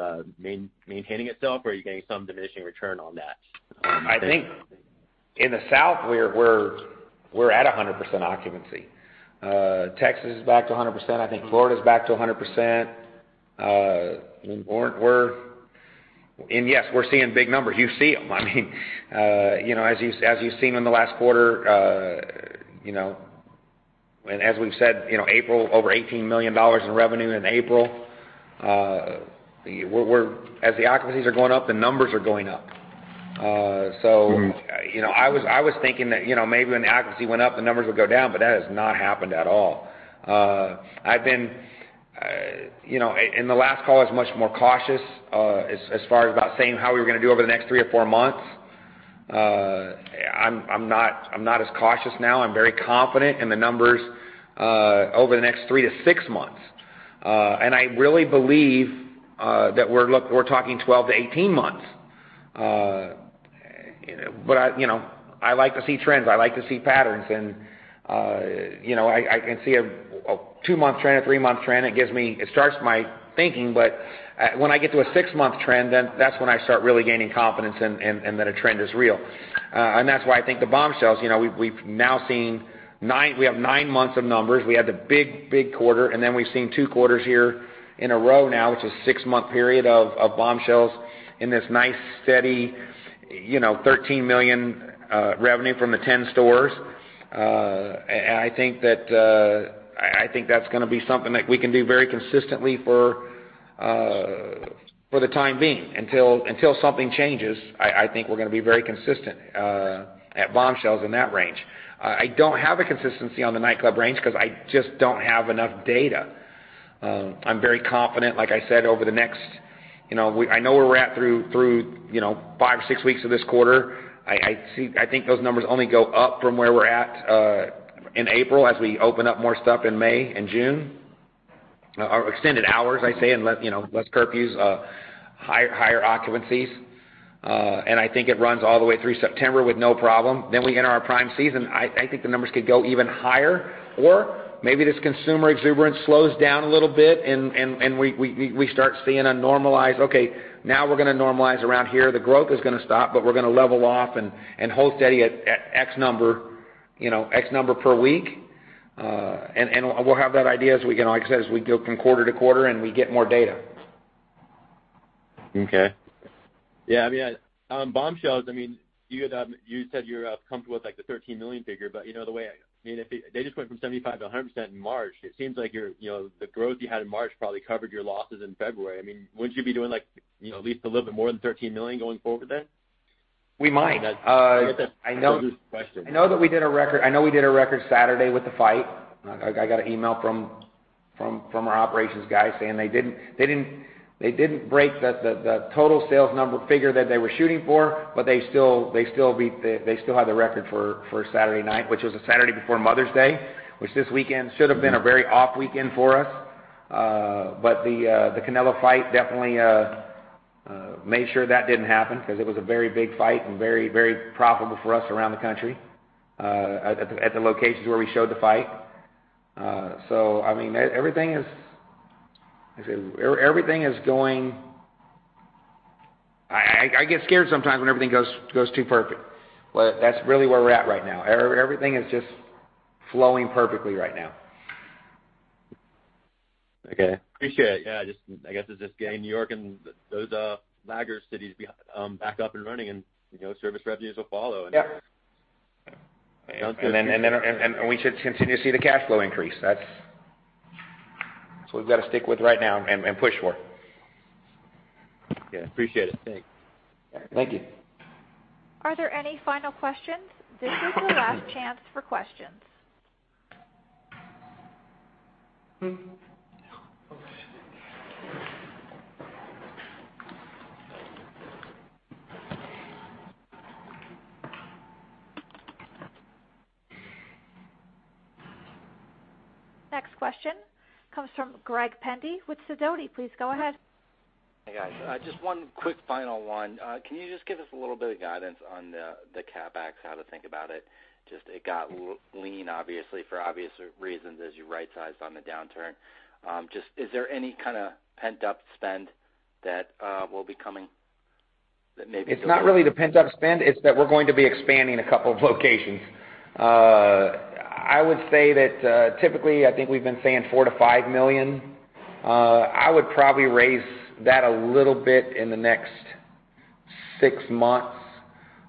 maintaining itself, or are you getting some diminishing return on that? I think in the south, we're at 100% occupancy. Texas is back to 100%. I think Florida's back to 100%. Yes, we're seeing big numbers. You see them. As you've seen in the last quarter, and as we've said, over $18 million in revenue in April. As the occupancies are going up, the numbers are going up. I was thinking that maybe when the occupancy went up, the numbers would go down, but that has not happened at all. In the last call, I was much more cautious as far as about saying how we were going to do over the next three or four months. I'm not as cautious now. I'm very confident in the numbers over the next three to six months. I really believe that we're talking 12 to 18 months. I like to see trends, I like to see patterns, and I can see a two-month trend, a three-month trend. It starts my thinking, but when I get to a six-month trend, then that's when I start really gaining confidence and that a trend is real. That's why I think the Bombshells, we've now seen we have nine months of numbers. We had the big quarter. We've seen two quarters here in a row now, which is a six-month period of Bombshells in this nice, steady, $13 million revenue from the 10 stores. I think that's going to be something that we can do very consistently for the time being. Until something changes, I think we're going to be very consistent at Bombshells in that range. I don't have a consistency on the nightclub range because I just don't have enough data. I'm very confident, like I said, I know where we're at through five or six weeks of this quarter. I think those numbers only go up from where we're at in April as we open up more stuff in May and June. Extended hours, I say, and less curfews, higher occupancies. I think it runs all the way through September with no problem. We enter our prime season. I think the numbers could go even higher. Maybe this consumer exuberance slows down a little bit and we start seeing a normalize, okay, now we're going to normalize around here. The growth is going to stop, but we're going to level off and hold steady at X number per week. We'll have that idea, like I said, as we go from quarter to quarter and we get more data. Okay. Yeah. On Bombshells, you said you're comfortable with the $13 million figure. They just went from 75% to 100% in March. It seems like the growth you had in March probably covered your losses in February. Wouldn't you be doing at least a little bit more than $13 million going forward then? We might. I get the question. I know that we set a record Saturday with the fight. I got an email from our operations guy saying they didn't break the total sales number they were shooting for, but they still hold the record for Saturday night. This was the Saturday before Mother's Day, which should have been a very slow weekend for us. The Canelo fight definitely ensured that didn't happen because it was a very big fight and very profitable for us around the country, at the locations where we showed the fight. Everything is going so well; I get scared sometimes when everything goes too perfectly. That's really where we're at right now. Everything is just flowing perfectly. Okay. Appreciate it. Yeah, I guess it's just getting New York and those laggard cities back up and running and service revenues will follow. Yep. We should continue to see the cash flow increase. That's what we've got to stick with right now and push for. Yeah, appreciate it. Thanks. Thank you. Are there any final questions? This is the last chance for questions. Next question comes from Greg Pendy with Sidoti. Please go ahead. Hey, guys. One quick final one. Can you just give us a little bit of guidance on the CapEx, how to think about it? It got lean, obviously, for obvious reasons as you right-sized on the downturn. Is there any kind of pent-up spend that will be coming? It's not really the pent-up spend; it's that we're going to be expanding a couple of locations. I would say that typically, I think we've been saying $4 million-$5 million. I would probably raise that a little bit in the next 6 months.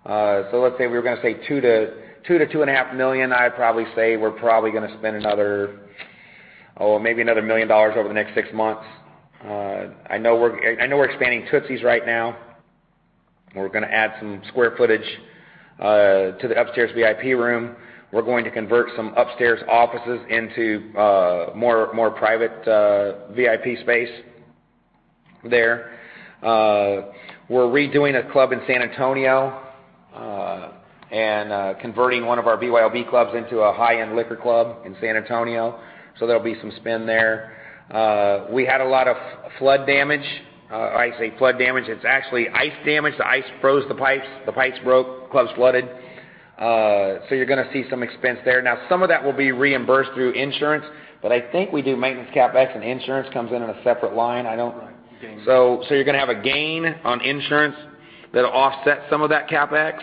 Let's say we were going to say $2 million-$2.5 million; I'd probably say we're probably going to spend maybe another $1 million over the next 6 months. I know we're expanding Tootsie's right now, and we're going to add some square footage to the upstairs VIP room. We're going to convert some upstairs offices into more private VIP space there. We're redoing a club in San Antonio and converting one of our BYOB clubs into a high-end liquor club in San Antonio, so there'll be some spend there. We had a lot of flood damage. I say flood damage; it's actually ice damage. The ice froze the pipes, the pipes broke, clubs flooded. You're going to see some expense there. Some of that will be reimbursed through insurance, but I think we do maintenance CapEx and insurance comes in on a separate line. Right. You're going to have a gain on insurance that'll offset some of that CapEx.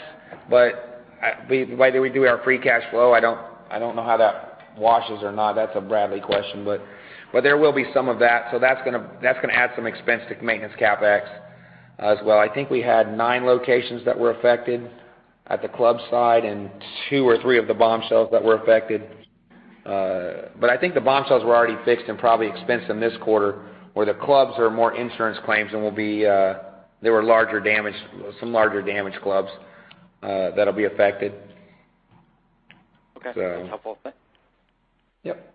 The way that we do our free cash flow, I don't know how that washes or not. That's a Bradley question, but there will be some of that. That's going to add some expense to maintenance CapEx as well. I think we had nine locations that were affected at the club side and two or three of the Bombshells that were affected. I think the Bombshells were already fixed and probably expensed in this quarter, whereas the clubs are more insurance claims, and there were some larger damage clubs that'll be affected. Okay. That's helpful. Yep.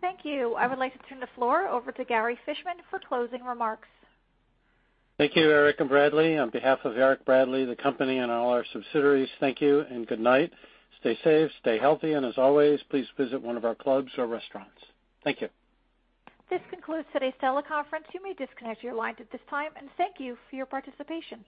Thank you. I would like to turn the floor over to Gary Fishman for closing remarks. Thank you, Eric and Bradley. On behalf of Eric, Bradley, the company, and all our subsidiaries, thank you and good night. Stay safe, stay healthy, and as always, please visit one of our clubs or restaurants. Thank you. This concludes today's teleconference. You may disconnect your lines at this time. Thank you for your participation.